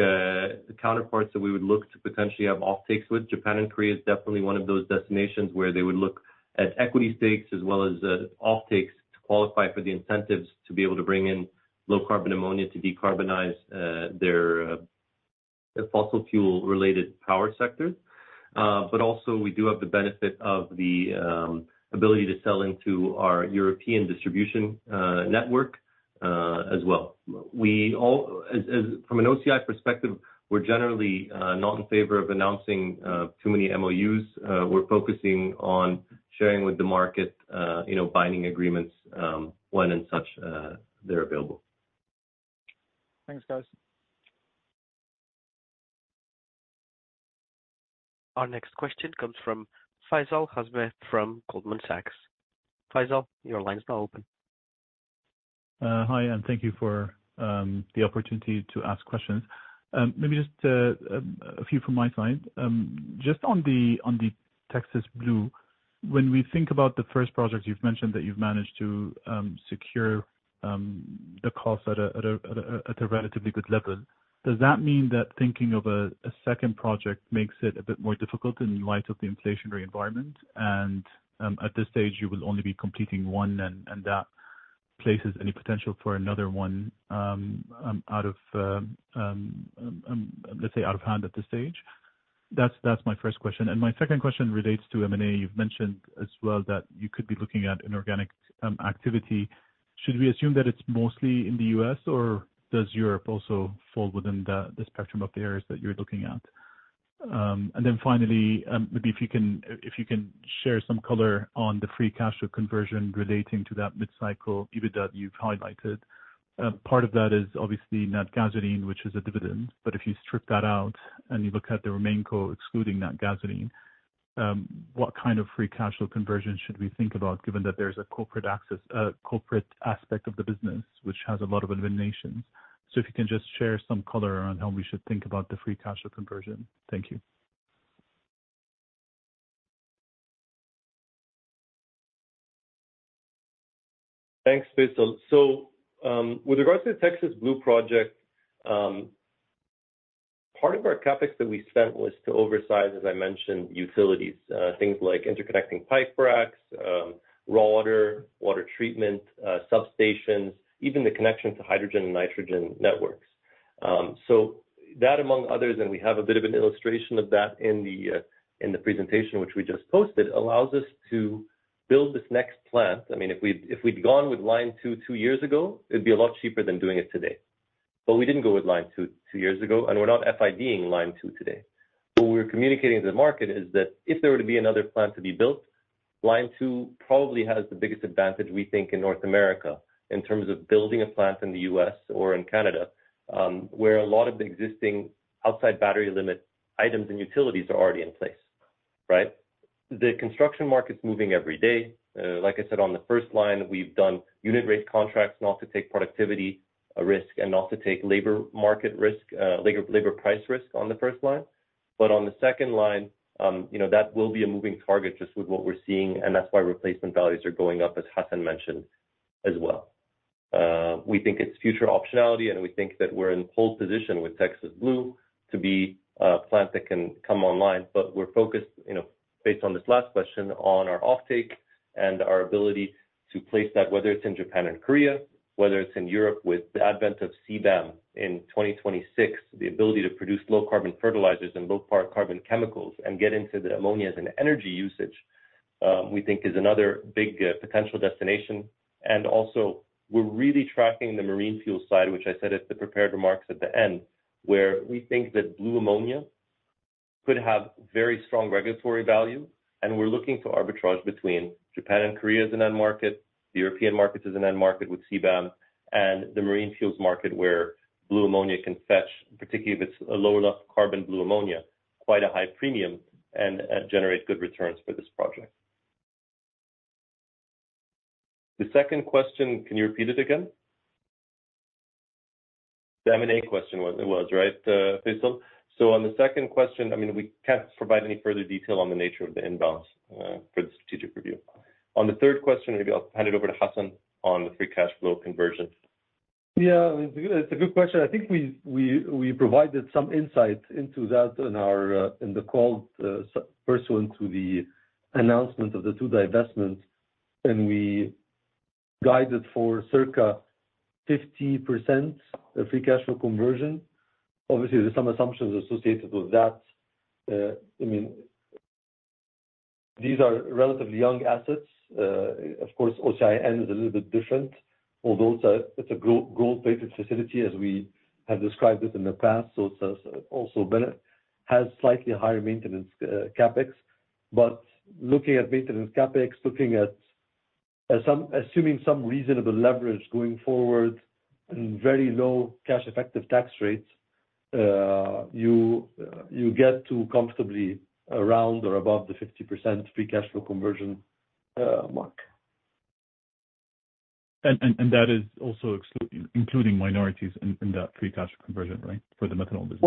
counterparts that we would look to potentially have offtakes with. Japan and Korea is definitely one of those destinations where they would look at equity stakes as well as offtakes to qualify for the incentives to be able to bring in low-carbon ammonia to decarbonize their fossil fuel-related power sector. But also we do have the benefit of the ability to sell into our European distribution network as well. From an OCI perspective we're generally not in favor of announcing too many MOUs. We're focusing on sharing with the market binding agreements when and such they're available. Thanks guys. Our next question comes from Faisal Al-Azmeh from Goldman Sachs. Faisal your line's now open. Hi and thank you for the opportunity to ask questions. Maybe just a few from my side. Just on the Texas Blue, when we think about the first project you've mentioned that you've managed to secure the cost at a relatively good level, does that mean that thinking of a second project makes it a bit more difficult in light of the inflationary environment and at this stage you will only be completing one and that places any potential for another one out of, let's say, out of hand at this stage? That's my first question. And my second question relates to M&A. You've mentioned as well that you could be looking at inorganic activity. Should we assume that it's mostly in the U.S. or does Europe also fall within the spectrum of the areas that you're looking at? And then finally, maybe if you can share some color on the free cash flow conversion relating to that mid-cycle EBITDA that you've highlighted. Part of that is obviously Natgasoline which is a dividend. But if you strip that out and you look at the remaining company excluding Natgasoline what kind of free cash flow conversion should we think about given that there's a corporate aspect of the business which has a lot of eliminations? So if you can just share some color on how we should think about the free cash flow conversion. Thank you. Thanks Faisal. So with regards to the Texas Blue project part of our CapEx that we spent was to oversize as I mentioned utilities. Things like interconnecting pipe racks, raw water, water treatment, substations, even the connection to hydrogen and nitrogen networks. So that among others and we have a bit of an illustration of that in the presentation which we just posted allows us to build this next plant. I mean if we'd gone with line two two years ago it'd be a lot cheaper than doing it today. But we didn't go with line two two years ago and we're not FIDing line two today. What we're communicating to the market is that if there were to be another plant to be built line two probably has the biggest advantage we think in North America in terms of building a plant in the U.S. or in Canada where a lot of the existing outside battery limit items and utilities are already in place. Right? The construction market's moving every day. Like I said on the first line we've done unit rate contracts not to take productivity risk and not to take labor market risk labor price risk on the first line. But on the second line that will be a moving target just with what we're seeing and that's why replacement values are going up as Hassan mentioned as well. We think it's future optionality and we think that we're in pole position with Texas Blue to be a plant that can come online. But we're focused based on this last question on our offtake and our ability to place that whether it's in Japan and Korea whether it's in Europe with the advent of CBAM in 2026 the ability to produce low-carbon fertilizers and low-carbon chemicals and get into the ammonias and energy usage we think is another big potential destination. Also we're really tracking the marine fuel side which I said at the prepared remarks at the end where we think that blue ammonia could have very strong regulatory value and we're looking to arbitrage between Japan and Korea as an end market, the European market as an end market with CBAM, and the marine fuels market where blue ammonia can fetch particularly if it's a low enough carbon blue ammonia quite a high premium and generate good returns for this project. The second question—can you repeat it again? The M&A question—it was right, Faisal. So on the second question I mean we can't provide any further detail on the nature of the inbounds for the strategic review. On the third question maybe I'll hand it over to Hassan on the free cash flow conversion. Yeah it's a good question. I think we provided some insight into that in the call first one to the announcement of the two divestments and we guided for circa 50% free cash flow conversion. Obviously there's some assumptions associated with that. I mean these are relatively young assets. Of course OCI's Iowa is a little bit different although it's a gold-plated facility as we have described it in the past. So it also has slightly higher maintenance CapEx. But looking at maintenance CapEx looking at assuming some reasonable leverage going forward and very low cash-effective tax rates you get to comfortably around or above the 50% free cash flow conversion mark. And that is also including minorities in that free cash flow conversion right for the methanol business?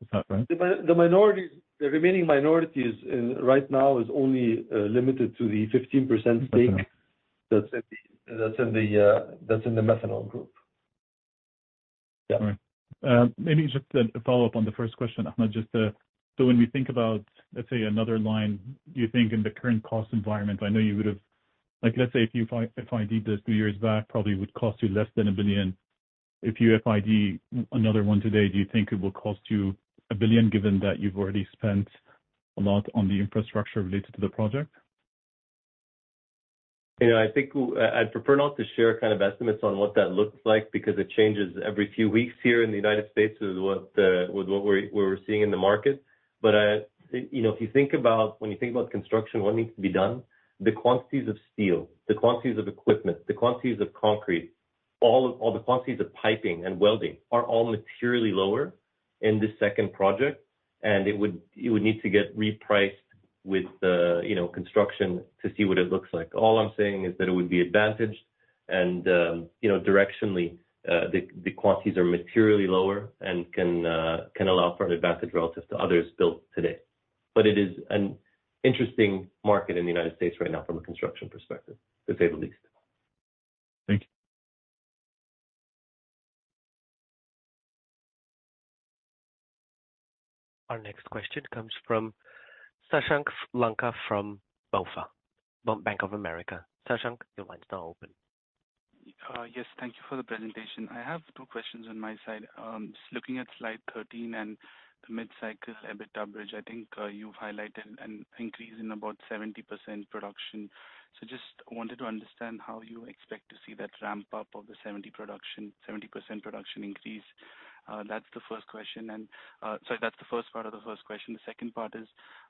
Is that right? The minorities the remaining minorities right now is only limited to the 15% stake that's in the methanol group. Yeah. Maybe just a follow-up on the first question Ahmed. So when we think about let's say another line you think in the current cost environment I know you would have let's say if you FID'd this 2 years back probably it would cost you less than $1 billion. If you FID another one today do you think it will cost you $1 billion given that you've already spent a lot on the infrastructure related to the project? I think I'd prefer not to share kind of estimates on what that looks like because it changes every few weeks here in the United States with what we're seeing in the market. But if you think about when you think about construction what needs to be done the quantities of steel, the quantities of equipment, the quantities of concrete, all the quantities of piping and welding are all materially lower in this second project and it would need to get repriced with construction to see what it looks like. All I'm saying is that it would be advantaged and directionally the quantities are materially lower and can allow for an advantage relative to others built today. But it is an interesting market in the United States right now from a construction perspective to say the least. Thank you. Our next question comes from Sashank Lanka from BofA Bank of America. Sashank, your line's now open. Yes, thank you for the presentation. I have two questions on my side. Just looking at slide 13 and the mid-cycle EBITDA bridge, I think you've highlighted an increase in about 70% production. So just wanted to understand how you expect to see that ramp up of the 70% production increase. That's the first question. And sorry, that's the first part of the first question. The second part is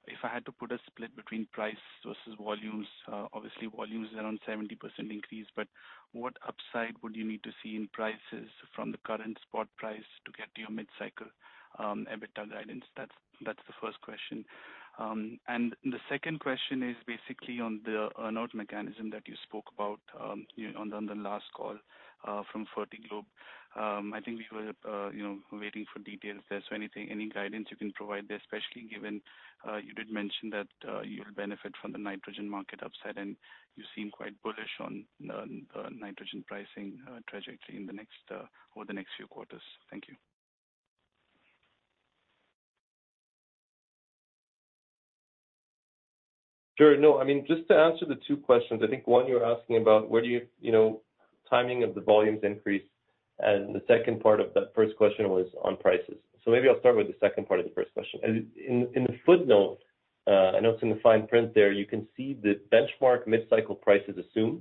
if I had to put a split between price versus volumes, obviously volumes are on 70% increase but what upside would you need to see in prices from the current spot price to get to your mid-cycle EBITDA guidance? That's the first question. And the second question is basically on the earn-out mechanism that you spoke about on the last call from Fertiglobe. I think we were waiting for details there. So any guidance you can provide there especially given you did mention that you'll benefit from the nitrogen market upside and you seem quite bullish on the nitrogen pricing trajectory in the next over the next few quarters. Thank you. Sure. No I mean just to answer the two questions I think one you were asking about where do you timing of the volumes increase and the second part of that first question was on prices. So maybe I'll start with the second part of the first question. In the footnote I know it's in the fine print there you can see the benchmark mid-cycle prices assumed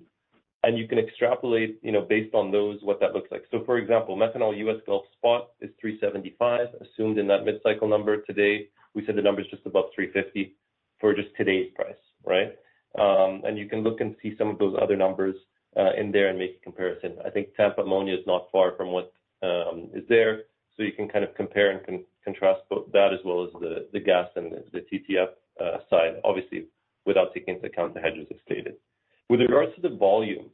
and you can extrapolate based on those what that looks like. So for example methanol US Gulf spot is $375 assumed in that mid-cycle number. Today we said the number's just above $350 for just today's price. Right? You can look and see some of those other numbers in there and make a comparison. I think Tampa ammonia is not far from what is there. So you can kind of compare and contrast that as well as the gas and the TTF side obviously without taking into account the hedges as stated. With regards to the volumes,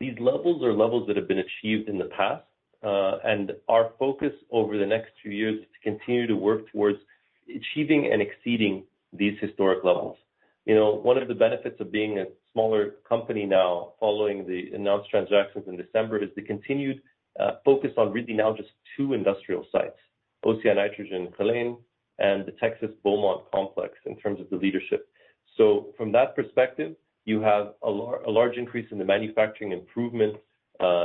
these levels are levels that have been achieved in the past and our focus over the next few years is to continue to work towards achieving and exceeding these historic levels. One of the benefits of being a smaller company now following the announced transactions in December is the continued focus on really now just two industrial sites. OCI Nitrogen Geleen and the Texas Beaumont complex in terms of the leadership. So from that perspective you have a large increase in the manufacturing improvement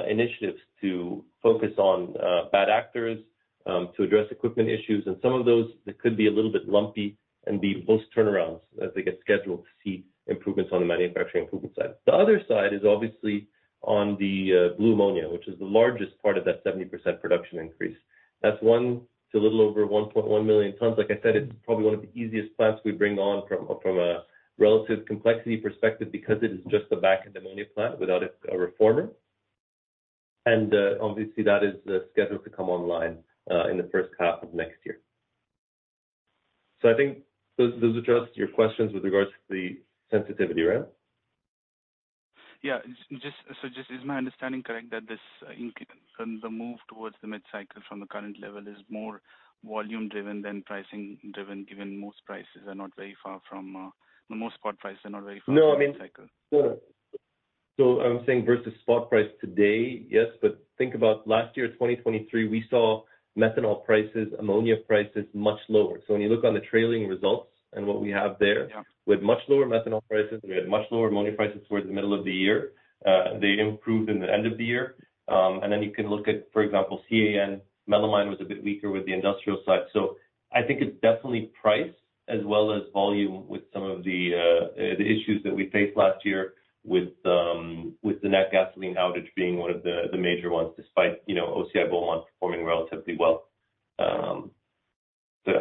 initiatives to focus on bad actors, to address equipment issues and some of those that could be a little bit lumpy and be most turnarounds as they get scheduled to see improvements on the manufacturing improvement side. The other side is obviously on the blue ammonia which is the largest part of that 70% production increase. That's 1 to a little over 1.1 million tonnes. Like I said it's probably one of the easiest plants we bring on from a relative complexity perspective because it is just a back-end ammonia plant without a reformer. And obviously that is scheduled to come online in the first half of next year. So I think those are just your questions with regards to the sensitivity right? Yeah. So, is my understanding correct that this the move towards the mid-cycle from the current level is more volume-driven than pricing-driven given most prices are not very far from the most spot prices are not very far from mid-cycle? No, I mean, so I'm saying versus spot price today, yes, but think about last year 2023 we saw methanol prices ammonia prices much lower. So when you look on the trailing results and what we have there we had much lower methanol prices we had much lower ammonia prices towards the middle of the year. They improved in the end of the year. And then you can look at for example CAN melamine was a bit weaker with the industrial side. So I think it's definitely price as well as volume with some of the issues that we faced last year with the Natgasoline outage being one of the major ones despite OCI Beaumont performing relatively well. So yeah.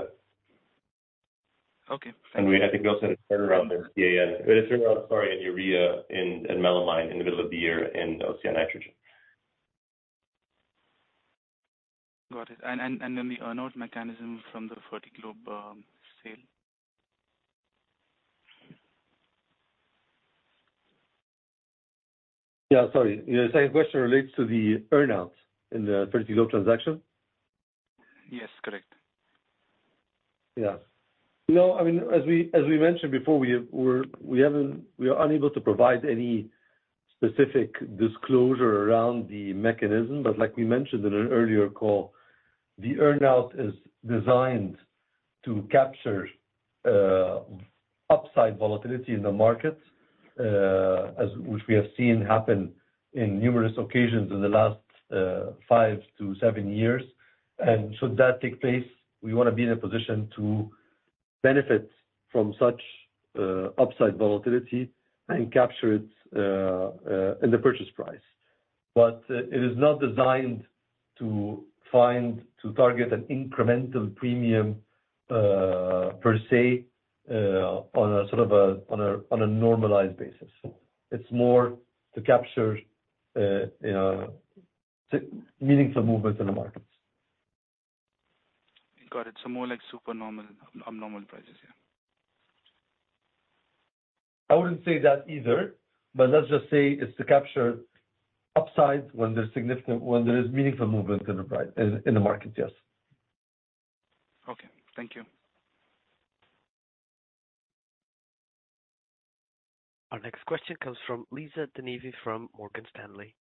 Okay. Thanks. And I think we also had a turnaround in CAN sorry in urea and melamine in the middle of the year in OCI Nitrogen. Got it. And then the earn-out mechanism from the Fertiglobe sale? Yeah sorry. The second question relates to the earn-out in the Fertiglobe transaction? Yes correct. Yeah. No I mean as we mentioned before we are unable to provide any specific disclosure around the mechanism. But like we mentioned in an earlier call the earn-out is designed to capture upside volatility in the market which we have seen happen in numerous occasions in the last five to seven years. And should that take place we want to be in a position to benefit from such upside volatility and capture it in the purchase price. But it is not designed to find to target an incremental premium per se on a sort of a on a normalized basis. It's more to capture meaningful movements in the markets. Got it. So more like supernormal abnormal prices yeah. I wouldn't say that either but let's just say it's to capture upside when there's significant when there is meaningful movement in the market yes. Okay. Thank you. Our next question comes from Lisa De Neve from Morgan Stanley.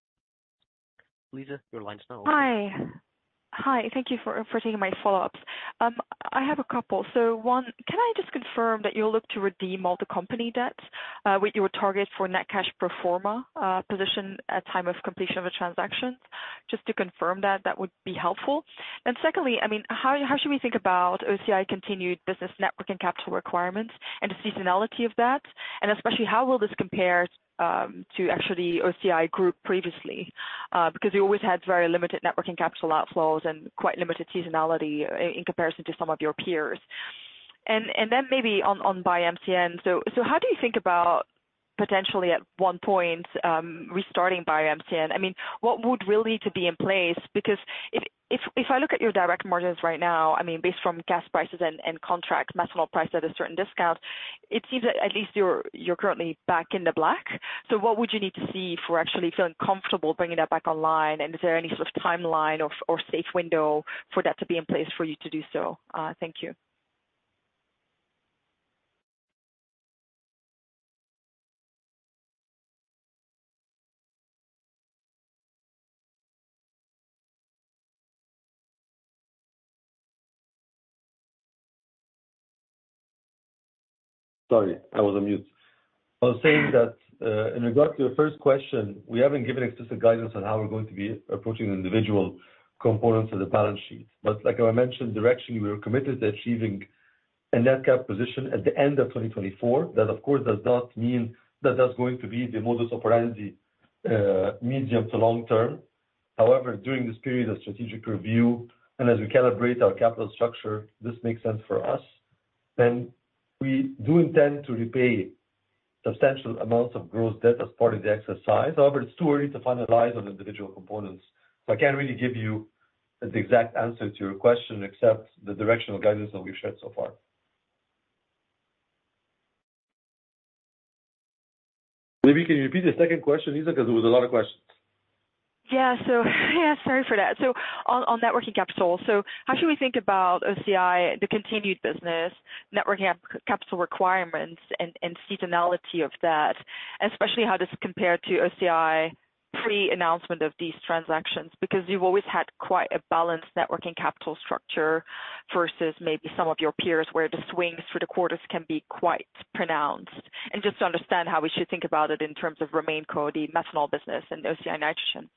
Lisa your line's now open. Hi. Hi. Thank you for taking my follow-ups. I have a couple. So, can I just confirm that you'll look to redeem all the company debts with your target for net cash pro forma position at time of completion of the transaction? Just to confirm that that would be helpful. And secondly, I mean, how should we think about OCI continued business net working capital requirements and the seasonality of that and especially how will this compare to actually OCI Group previously because you always had very limited net working capital outflows and quite limited seasonality in comparison to some of your peers. And then maybe on BioMCN, so how do you think about potentially at one point restarting BioMCN? I mean what would really need to be in place because if I look at your direct margins right now I mean based from gas prices and contracts methanol price at a certain discount it seems that at least you're currently back in the black. So what would you need to see for actually feeling comfortable bringing that back online and is there any sort of timeline or safe window for that to be in place for you to do so? Thank you. Sorry I was on mute. I was saying that in regard to your first question we haven't given explicit guidance on how we're going to be approaching individual components of the balance sheet. But like I mentioned directionally we were committed to achieving a net cash position at the end of 2024. That of course does not mean that that's going to be the modus operandi medium- to long-term. However, during this period of strategic review and as we calibrate our capital structure, this makes sense for us. And we do intend to repay substantial amounts of gross debt as part of the exercise. However, it's too early to finalize on individual components. So I can't really give you the exact answer to your question except the directional guidance that we've shared so far. Maybe you can repeat the second question, Lisa, because there was a lot of questions. Yeah, so yeah, sorry for that. So, on net working capital, how should we think about OCI, the continued business, net working capital requirements and seasonality of that, especially how does it compare to OCI pre-announcement of these transactions because you've always had quite a balanced net working capital structure versus maybe some of your peers where the swings through the quarters can be quite pronounced. And just to understand how we should think about it in terms of remaining core, the methanol business and OCI Nitrogen.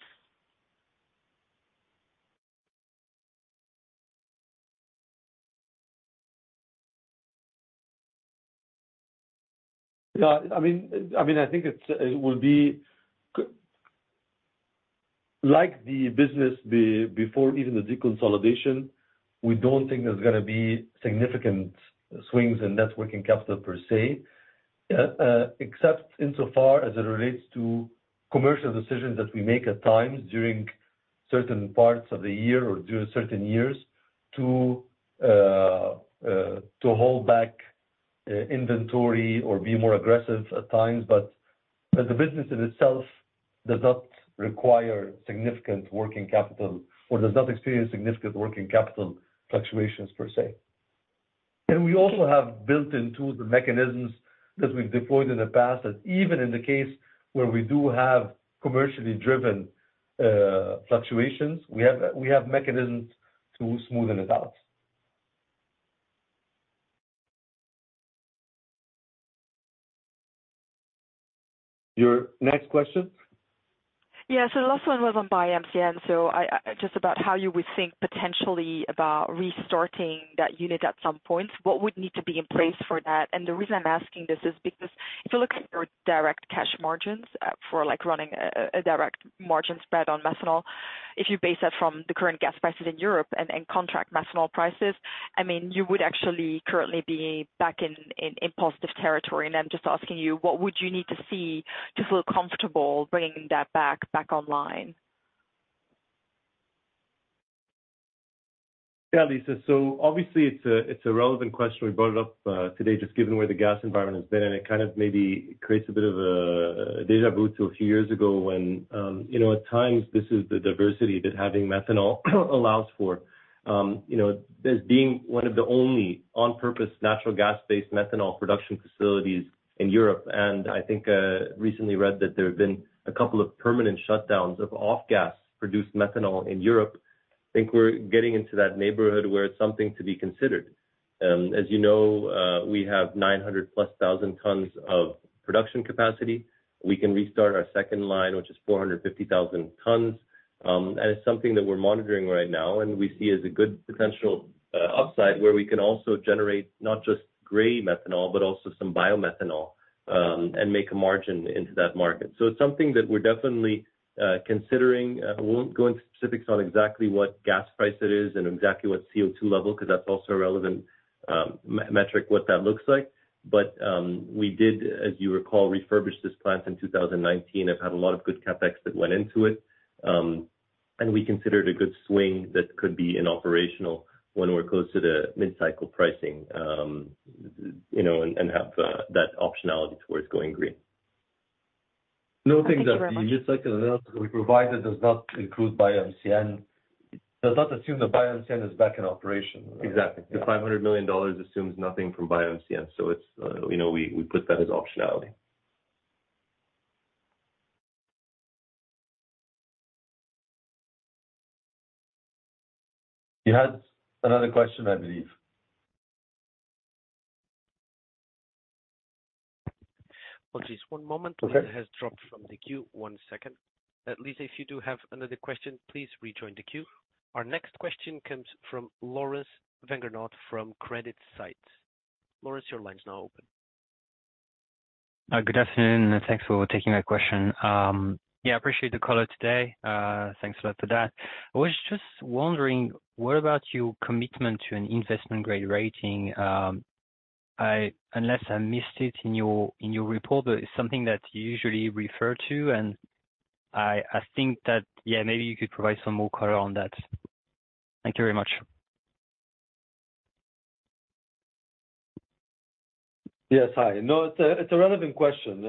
Yeah, I mean, I think it will be like the business before even the deconsolidation. We don't think there's going to be significant swings in net working capital per se except insofar as it relates to commercial decisions that we make at times during certain parts of the year or during certain years to hold back inventory or be more aggressive at times. But the business in itself does not require significant working capital or does not experience significant working capital fluctuations per se. And we also have built-in tools and mechanisms that we've deployed in the past that even in the case where we do have commercially driven fluctuations we have mechanisms to smoothen it out. Your next question? Yeah so the last one was on BioMCN so just about how you would think potentially about restarting that unit at some point. What would need to be in place for that? And the reason I'm asking this is because if you look at your direct cash margins for running a direct margin spread on methanol if you base that from the current gas prices in Europe and contract methanol prices I mean you would actually currently be back in positive territory. I'm just asking you what would you need to see to feel comfortable bringing that back online? Yeah, Lisa. So obviously it's a relevant question we brought it up today just given where the gas environment has been and it kind of maybe creates a bit of a déjà vu to a few years ago when at times this is the diversity that having methanol allows for. As being one of the only on-purpose natural gas-based methanol production facilities in Europe and I think recently read that there have been a couple of permanent shutdowns of off-gas produced methanol in Europe. I think we're getting into that neighborhood where it's something to be considered. As you know we have 900,000+ tonnes of production capacity. We can restart our second line which is 450,000 tonnes. It's something that we're monitoring right now and we see as a good potential upside where we can also generate not just gray methanol but also some biomethanol and make a margin into that market. So it's something that we're definitely considering. We won't go into specifics on exactly what gas price it is and exactly what CO2 level because that's also a relevant metric what that looks like. But we did as you recall refurbish this plant in 2019. I've had a lot of good CapEx that went into it and we considered a good swing that could be in operational when we're close to the mid-cycle pricing and have that optionality towards going green. Note that the mid-cycle analysis that we provide that does not include BioMCN does not assume that BioMCN is back in operation. Exactly. The $500 million assumes nothing from BioMCN. So we put that as optionality. You had another question I believe. Well, just one moment please. It has dropped from the queue. One second. Lisa, if you do have another question please rejoin the queue. Our next question comes from Laurens Vegter from Credit Suisse. Laurens, your line's now open. Good afternoon. Thanks for taking my question. Yeah, I appreciate the call today. Thanks a lot for that. I was just wondering what about your commitment to an investment-grade rating unless I missed it in your report but it's something that you usually refer to and I think that yeah maybe you could provide some more color on that. Thank you very much. Yes, hi. No, it's a relevant question.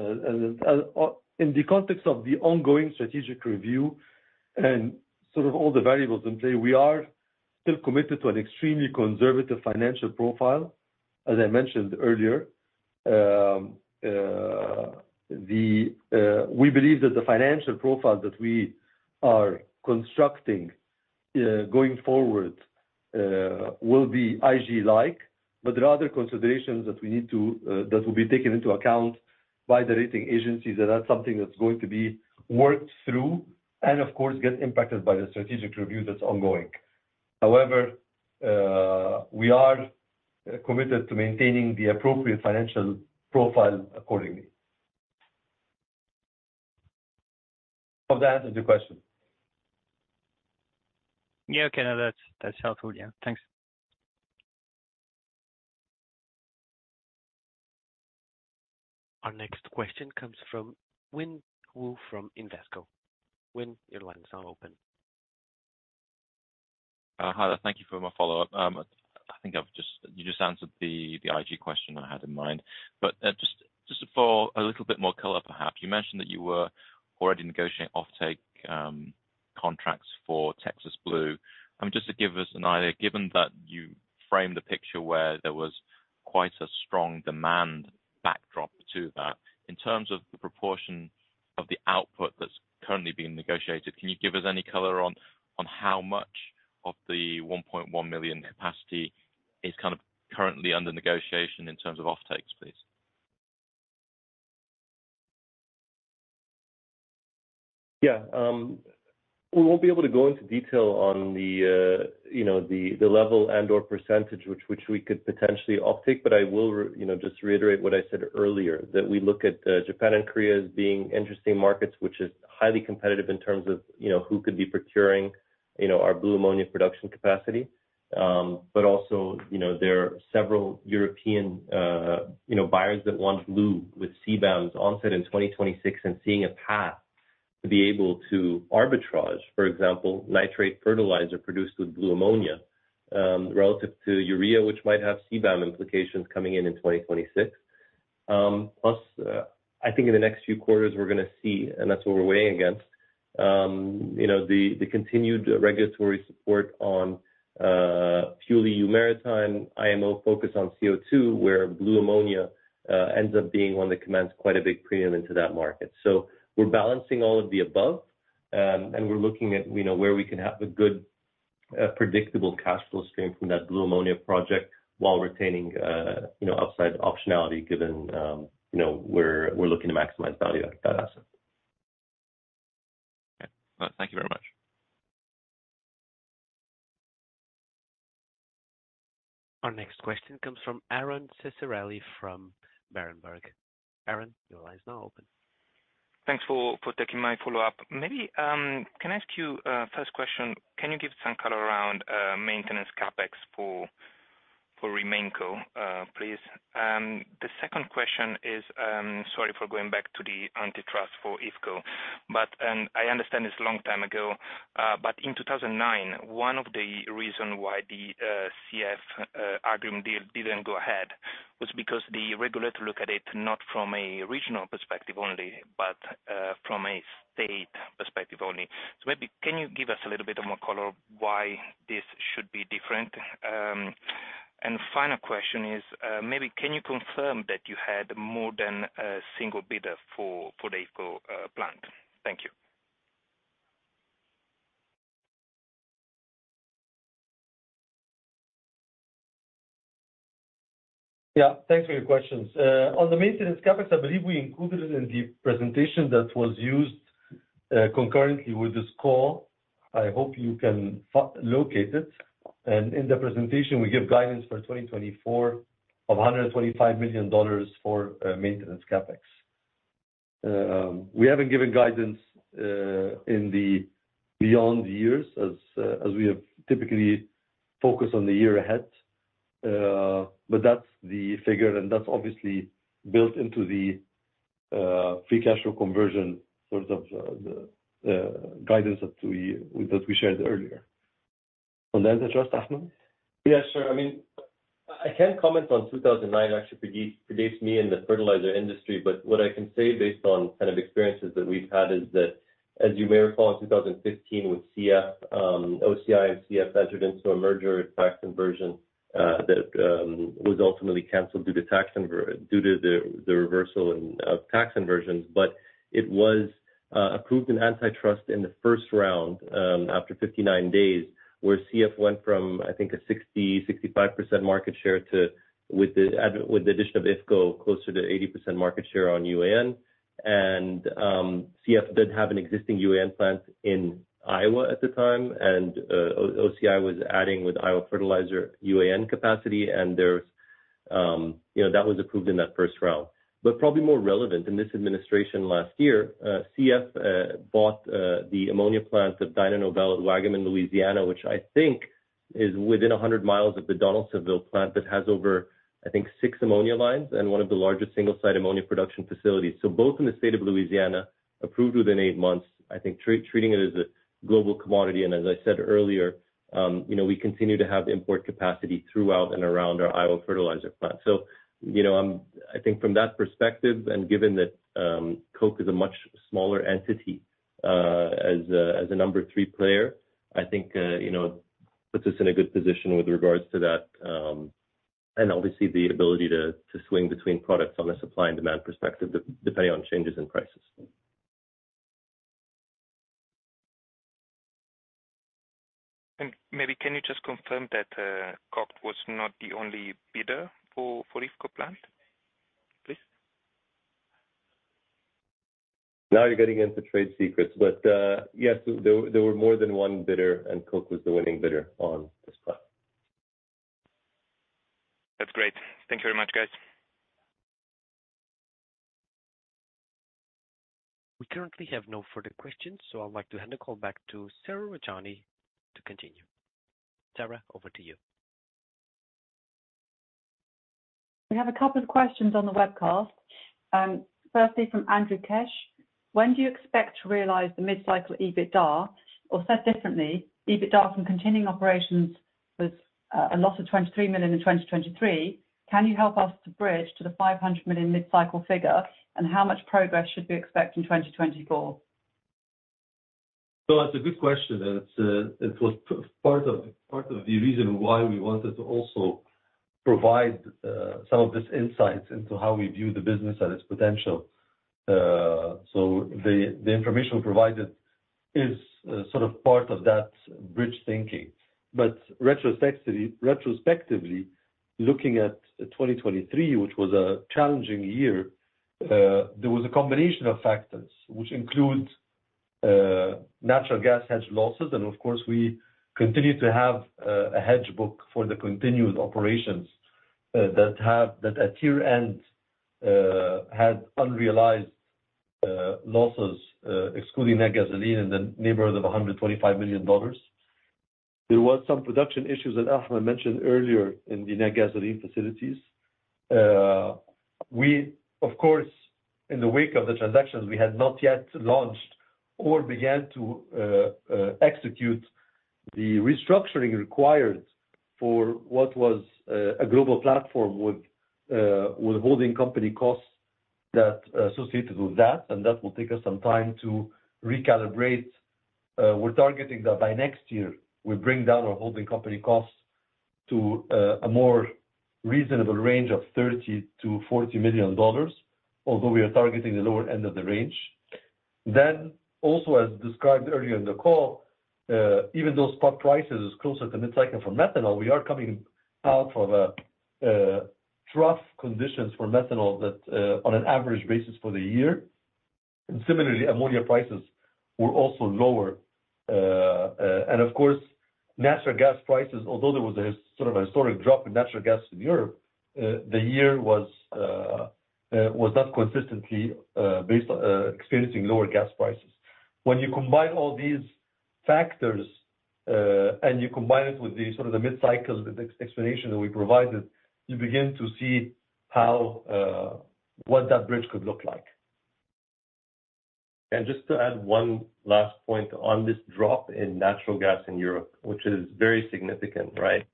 In the context of the ongoing strategic review and sort of all the variables in play, we are still committed to an extremely conservative financial profile as I mentioned earlier. We believe that the financial profile that we are constructing going forward will be IG-like, but there are other considerations that we need to that will be taken into account by the rating agencies and that's something that's going to be worked through and of course get impacted by the strategic review that's ongoing. However, we are committed to maintaining the appropriate financial profile accordingly. Hope that answers the question. Yeah, okay. No, that's helpful, yeah. Thanks. Our next question comes from Nian Wu from Invesco. Nian, your line's now open. Hi there. Thank you for my follow-up. I think I've just you just answered the IG question I had in mind. But just for a little bit more color perhaps you mentioned that you were already negotiating off-take contracts for Texas Blue. I mean just to give us an idea given that you framed a picture where there was quite a strong demand backdrop to that in terms of the proportion of the output that's currently being negotiated can you give us any color on how much of the 1.1 million capacity is kind of currently under negotiation in terms of off-takes please? Yeah. We won't be able to go into detail on the level and/or percentage which we could potentially off-take but I will just reiterate what I said earlier that we look at Japan and Korea as being interesting markets which is highly competitive in terms of who could be procuring our blue ammonia production capacity. But also there are several European buyers that want blue with CBAM's onset in 2026 and seeing a path to be able to arbitrage for example nitrate fertilizer produced with blue ammonia relative to urea which might have CBAM implications coming in in 2026. Plus I think in the next few quarters we're going to see and that's what we're weighing against the continued regulatory support on fully FuelEU Maritime IMO focus on CO2 where blue ammonia ends up being one that commands quite a big premium into that market. So we're balancing all of the above and we're looking at where we can have a good predictable cash flow stream from that blue ammonia project while retaining upside optionality given where we're looking to maximize value at that asset. Okay. Thank you very much. Our next question comes from Aron Ceccarelli from Berenberg. Aron your line's now open. Thanks for taking my follow-up. Maybe can I ask you first question: can you give some color around maintenance CapEx for RemainCo, please? The second question is, sorry for going back to the antitrust for IFCo, but I understand it's a long time ago. But in 2009 one of the reasons why the CF agreement deal didn't go ahead was because the regulator looked at it not from a regional perspective only but from a state perspective only. So maybe can you give us a little bit more color why this should be different? And final question is maybe can you confirm that you had more than a single bidder for the IFCo plant? Thank you. Yeah, thanks for your questions. On the maintenance CapEx, I believe we included it in the presentation that was used concurrently with this call. I hope you can locate it. In the presentation we give guidance for 2024 of $125 million for maintenance CapEx. We haven't given guidance in the beyond years as we have typically focused on the year ahead. That's the figure and that's obviously built into the free cash flow conversion sort of guidance that we shared earlier. On the antitrust Ahmed? Yeah sure. I mean I can comment on 2009 actually predates me in the fertilizer industry but what I can say based on kind of experiences that we've had is that as you may recall in 2015 with CF OCI and CF entered into a merger a tax inversion that was ultimately canceled due to tax due to the reversal of tax inversions. But it was approved in antitrust in the first round after 59 days where CF went from I think a 60%-65% market share to with the addition of IFCo closer to 80% market share on UAN. And CF did have an existing UAN plant in Iowa at the time and OCI was adding with Iowa Fertilizer UAN capacity and that was approved in that first round. But probably more relevant in this administration last year CF bought the ammonia plant of Dyno Nobel at Waggaman in Louisiana which I think is within 100 miles of the Donaldsonville plant that has over I think 6 ammonia lines and one of the largest single-site ammonia production facilities. So both in the state of Louisiana approved within eight months, I think, treating it as a global commodity and, as I said earlier, we continue to have import capacity throughout and around our Iowa Fertilizer plant. So I think from that perspective and given that Koch is a much smaller entity as a number three player, I think puts us in a good position with regards to that and obviously the ability to swing between products on a supply and demand perspective depending on changes in prices. And maybe can you just confirm that Koch was not the only bidder for IFCo plant please? Now you're getting into trade secrets, but yes there were more than one bidder and Koch was the winning bidder on this plant. That's great. Thank you very much guys. We currently have no further questions, so I'd like to hand the call back to Sarah Rajani to continue. Sarah over to you. We have a couple of questions on the webcast. Firstly from Andras Kecskes. When do you expect to realize the mid-cycle EBITDA or said differently EBITDA from continuing operations was a loss of $23 million in 2023. Can you help us to bridge to the $500 million mid-cycle figure and how much progress should we expect in 2024? So that's a good question. It was part of the reason why we wanted to also provide some of this insights into how we view the business and its potential. So the information provided is sort of part of that bridge thinking. But retrospectively looking at 2023, which was a challenging year, there was a combination of factors which include natural gas hedge losses and of course we continue to have a hedge book for the continued operations that at year-end had unrealized losses excluding Natgasoline in the neighborhood of $125 million. There were some production issues that Ahmed mentioned earlier in the Natgasoline facilities. We of course in the wake of the transactions we had not yet launched or began to execute the restructuring required for what was a global platform with holding company costs that associated with that and that will take us some time to recalibrate. We're targeting that by next year we bring down our holding company costs to a more reasonable range of $30-$40 million although we are targeting the lower end of the range. Then also as described earlier in the call, even though spot prices is closer to mid-cycle for methanol, we are coming out of rough conditions for methanol that on an average basis for the year, and similarly ammonia prices were also lower. And of course natural gas prices, although there was a sort of a historic drop in natural gas in Europe, the year was not consistently experiencing lower gas prices. When you combine all these factors and you combine it with the sort of the mid-cycle explanation that we provided, you begin to see what that bridge could look like. And just to add one last point on this drop in natural gas in Europe, which is very significant, right.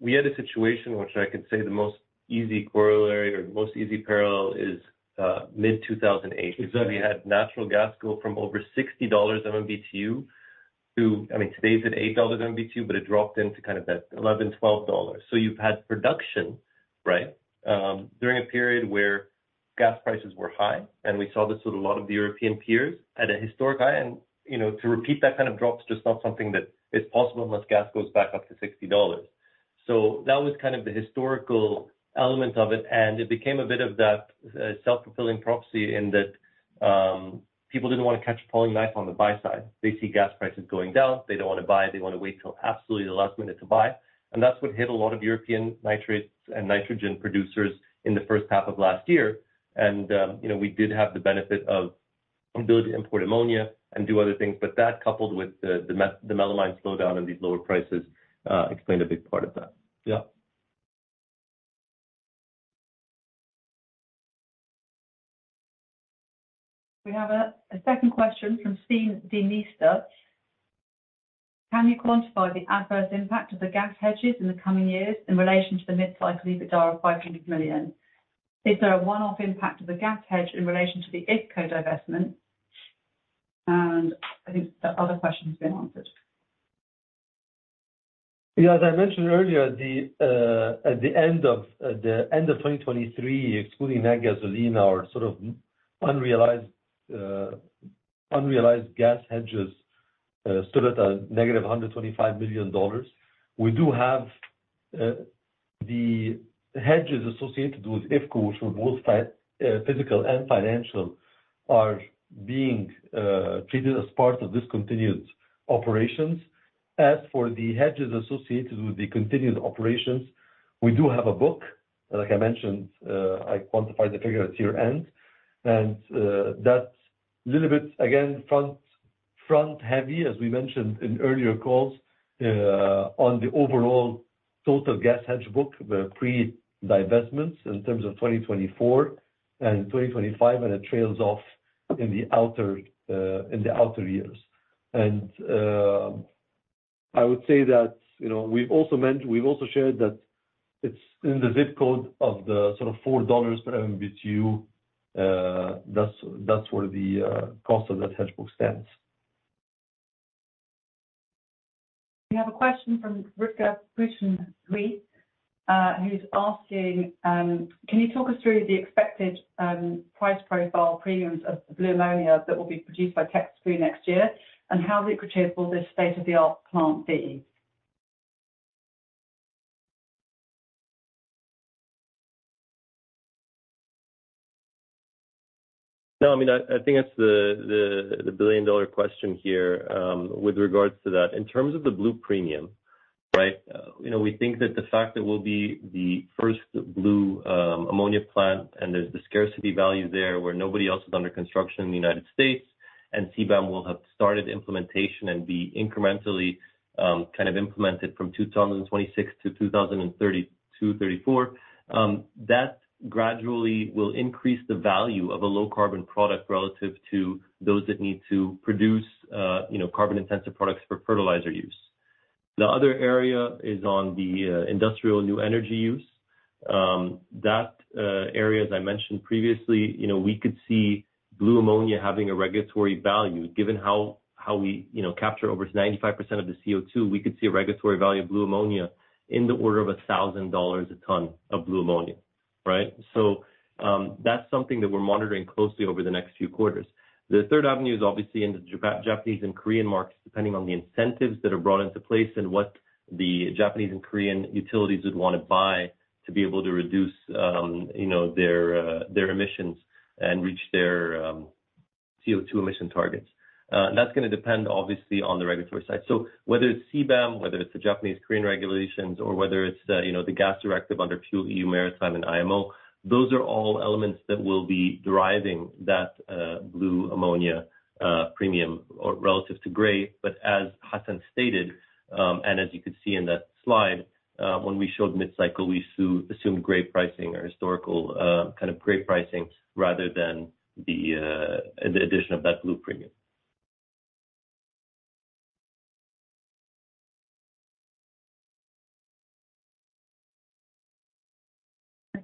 We had a situation which I could say the most easy corollary or the most easy parallel is mid-2008. We had natural gas go from over $60 MMBtu to I mean today's at $8 MMBtu but it dropped into kind of that 11-12 dollars. So you've had production right during a period where gas prices were high and we saw this with a lot of the European peers at a historic high and to repeat that kind of drop's just not something that is possible unless gas goes back up to $60. So that was kind of the historical element of it and it became a bit of that self-fulfilling prophecy in that people didn't want to catch a falling knife on the buy side. They see gas prices going down they don't want to buy they want to wait till absolutely the last minute to buy. And that's what hit a lot of European nitrates and nitrogen producers in the first half of last year. We did have the benefit of the ability to import ammonia and do other things but that coupled with the melamine slowdown and these lower prices explained a big part of that. Yeah. We have a second question from Stijn Demeester. Can you quantify the adverse impact of the gas hedges in the coming years in relation to the mid-cycle EBITDA of $500 million? Is there a one-off impact of the gas hedge in relation to the IFCo divestment? And I think the other question has been answered. Yeah as I mentioned earlier at the end of 2023 excluding net gasoline our sort of unrealized gas hedges stood at a negative $125 million. We do have the hedges associated with IFCo which were both physical and financial are being treated as part of discontinued operations. As for the hedges associated with the continued operations we do have a book like I mentioned I quantified the figure at year-end and that's a little bit again front heavy as we mentioned in earlier calls on the overall total gas hedge book the pre-divestments in terms of 2024 and 2025 and it trails off in the outer years. I would say that we've also shared that it's in the zip code of the sort of $4 per MMBTU. That's where the cost of that hedge book stands. We have a question from Rutger Pritschen Rieth who's asking, can you talk us through the expected price profile premiums of blue ammonia that will be produced by Texas Blue next year and how lucrative will this state-of-the-art plant be? No I mean I think it's the billion dollar question here with regards to that. In terms of the blue premium, right, we think that the fact that we'll be the first blue ammonia plant and there's the scarcity value there where nobody else is under construction in the United States and CBAM will have started implementation and be incrementally kind of implemented from 2026 to 2034 that gradually will increase the value of a low-carbon product relative to those that need to produce carbon-intensive products for fertilizer use. The other area is on the industrial new energy use. That area, as I mentioned previously, we could see blue ammonia having a regulatory value given how we capture over 95% of the CO2. We could see a regulatory value of blue ammonia in the order of $1,000 a tonne of blue ammonia. Right. So that's something that we're monitoring closely over the next few quarters. The third avenue is obviously in the Japanese and Korean markets depending on the incentives that are brought into place and what the Japanese and Korean utilities would want to buy to be able to reduce their emissions and reach their CO2 emission targets. That's going to depend obviously on the regulatory side. So whether it's CBAM whether it's the Japanese Korean regulations or whether it's the gas directive under FuelEU Maritime and IMO those are all elements that will be driving that blue ammonia premium relative to gray. But as Hassan stated and as you could see in that slide when we showed mid-cycle we assumed gray pricing or historical kind of gray pricing rather than the addition of that blue ammonia premium.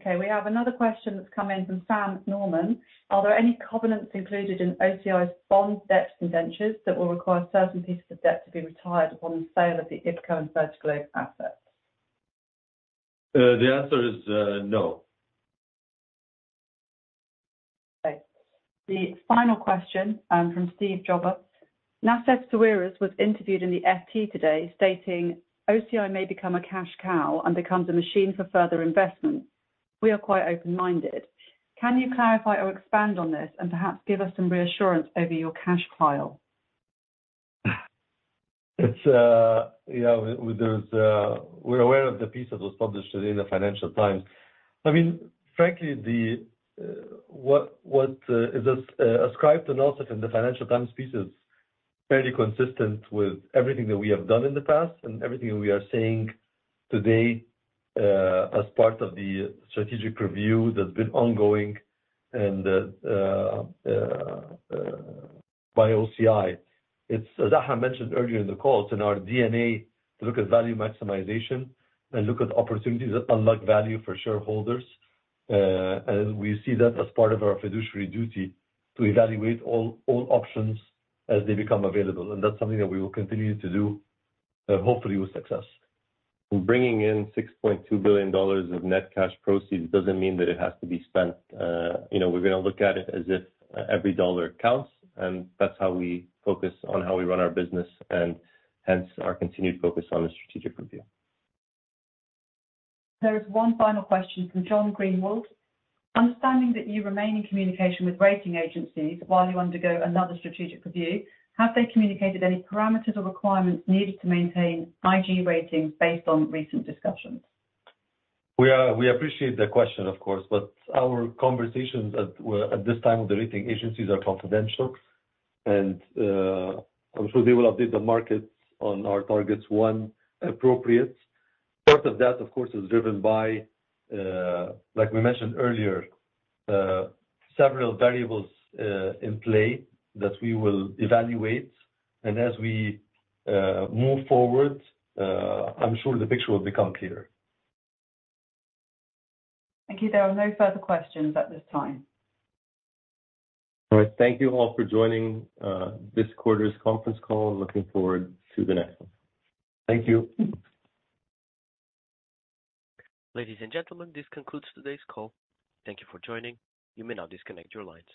Okay. We have another question that's come in from Sam Norman. Are there any covenants included in OCI's bond debt covenants that will require certain pieces of debt to be retired upon the sale of the IFCo and Fertiglobe assets? The answer is no. Okay. The final question from Steve Jobber. Nassef Sawiris was interviewed in the FT today stating OCI may become a cash cow and becomes a machine for further investment. We are quite open-minded. Can you clarify or expand on this and perhaps give us some reassurance over your cash pile? Yeah, we're aware of the piece that was published today in the Financial Times. I mean, frankly, what is ascribed to Nassef in the Financial Times piece is fairly consistent with everything that we have done in the past and everything that we are saying today as part of the strategic review that's been ongoing by OCI. As Ahmed mentioned earlier in the call, it's in our DNA to look at value maximization and look at opportunities that unlock value for shareholders. We see that as part of our fiduciary duty to evaluate all options as they become available. That's something that we will continue to do hopefully with success. Bringing in $6.2 billion of net cash proceeds doesn't mean that it has to be spent. We're going to look at it as if every dollar counts and that's how we focus on how we run our business and hence our continued focus on the strategic review. There's one final question from John Greenwald. Understanding that you remain in communication with rating agencies while you undergo another strategic review, have they communicated any parameters or requirements needed to maintain IG ratings based on recent discussions? We appreciate the question, of course, but our conversations at this time with the rating agencies are confidential and I'm sure they will update the markets on our targets when appropriate. Part of that, of course, is driven by, like we mentioned earlier, several variables in play that we will evaluate and as we move forward I'm sure the picture will become clearer. Thank you. There are no further questions at this time. All right. Thank you all for joining this quarter's conference call and looking forward to the next one. Thank you. Ladies and gentlemen, this concludes today's call. Thank you for joining. You may now disconnect your lines.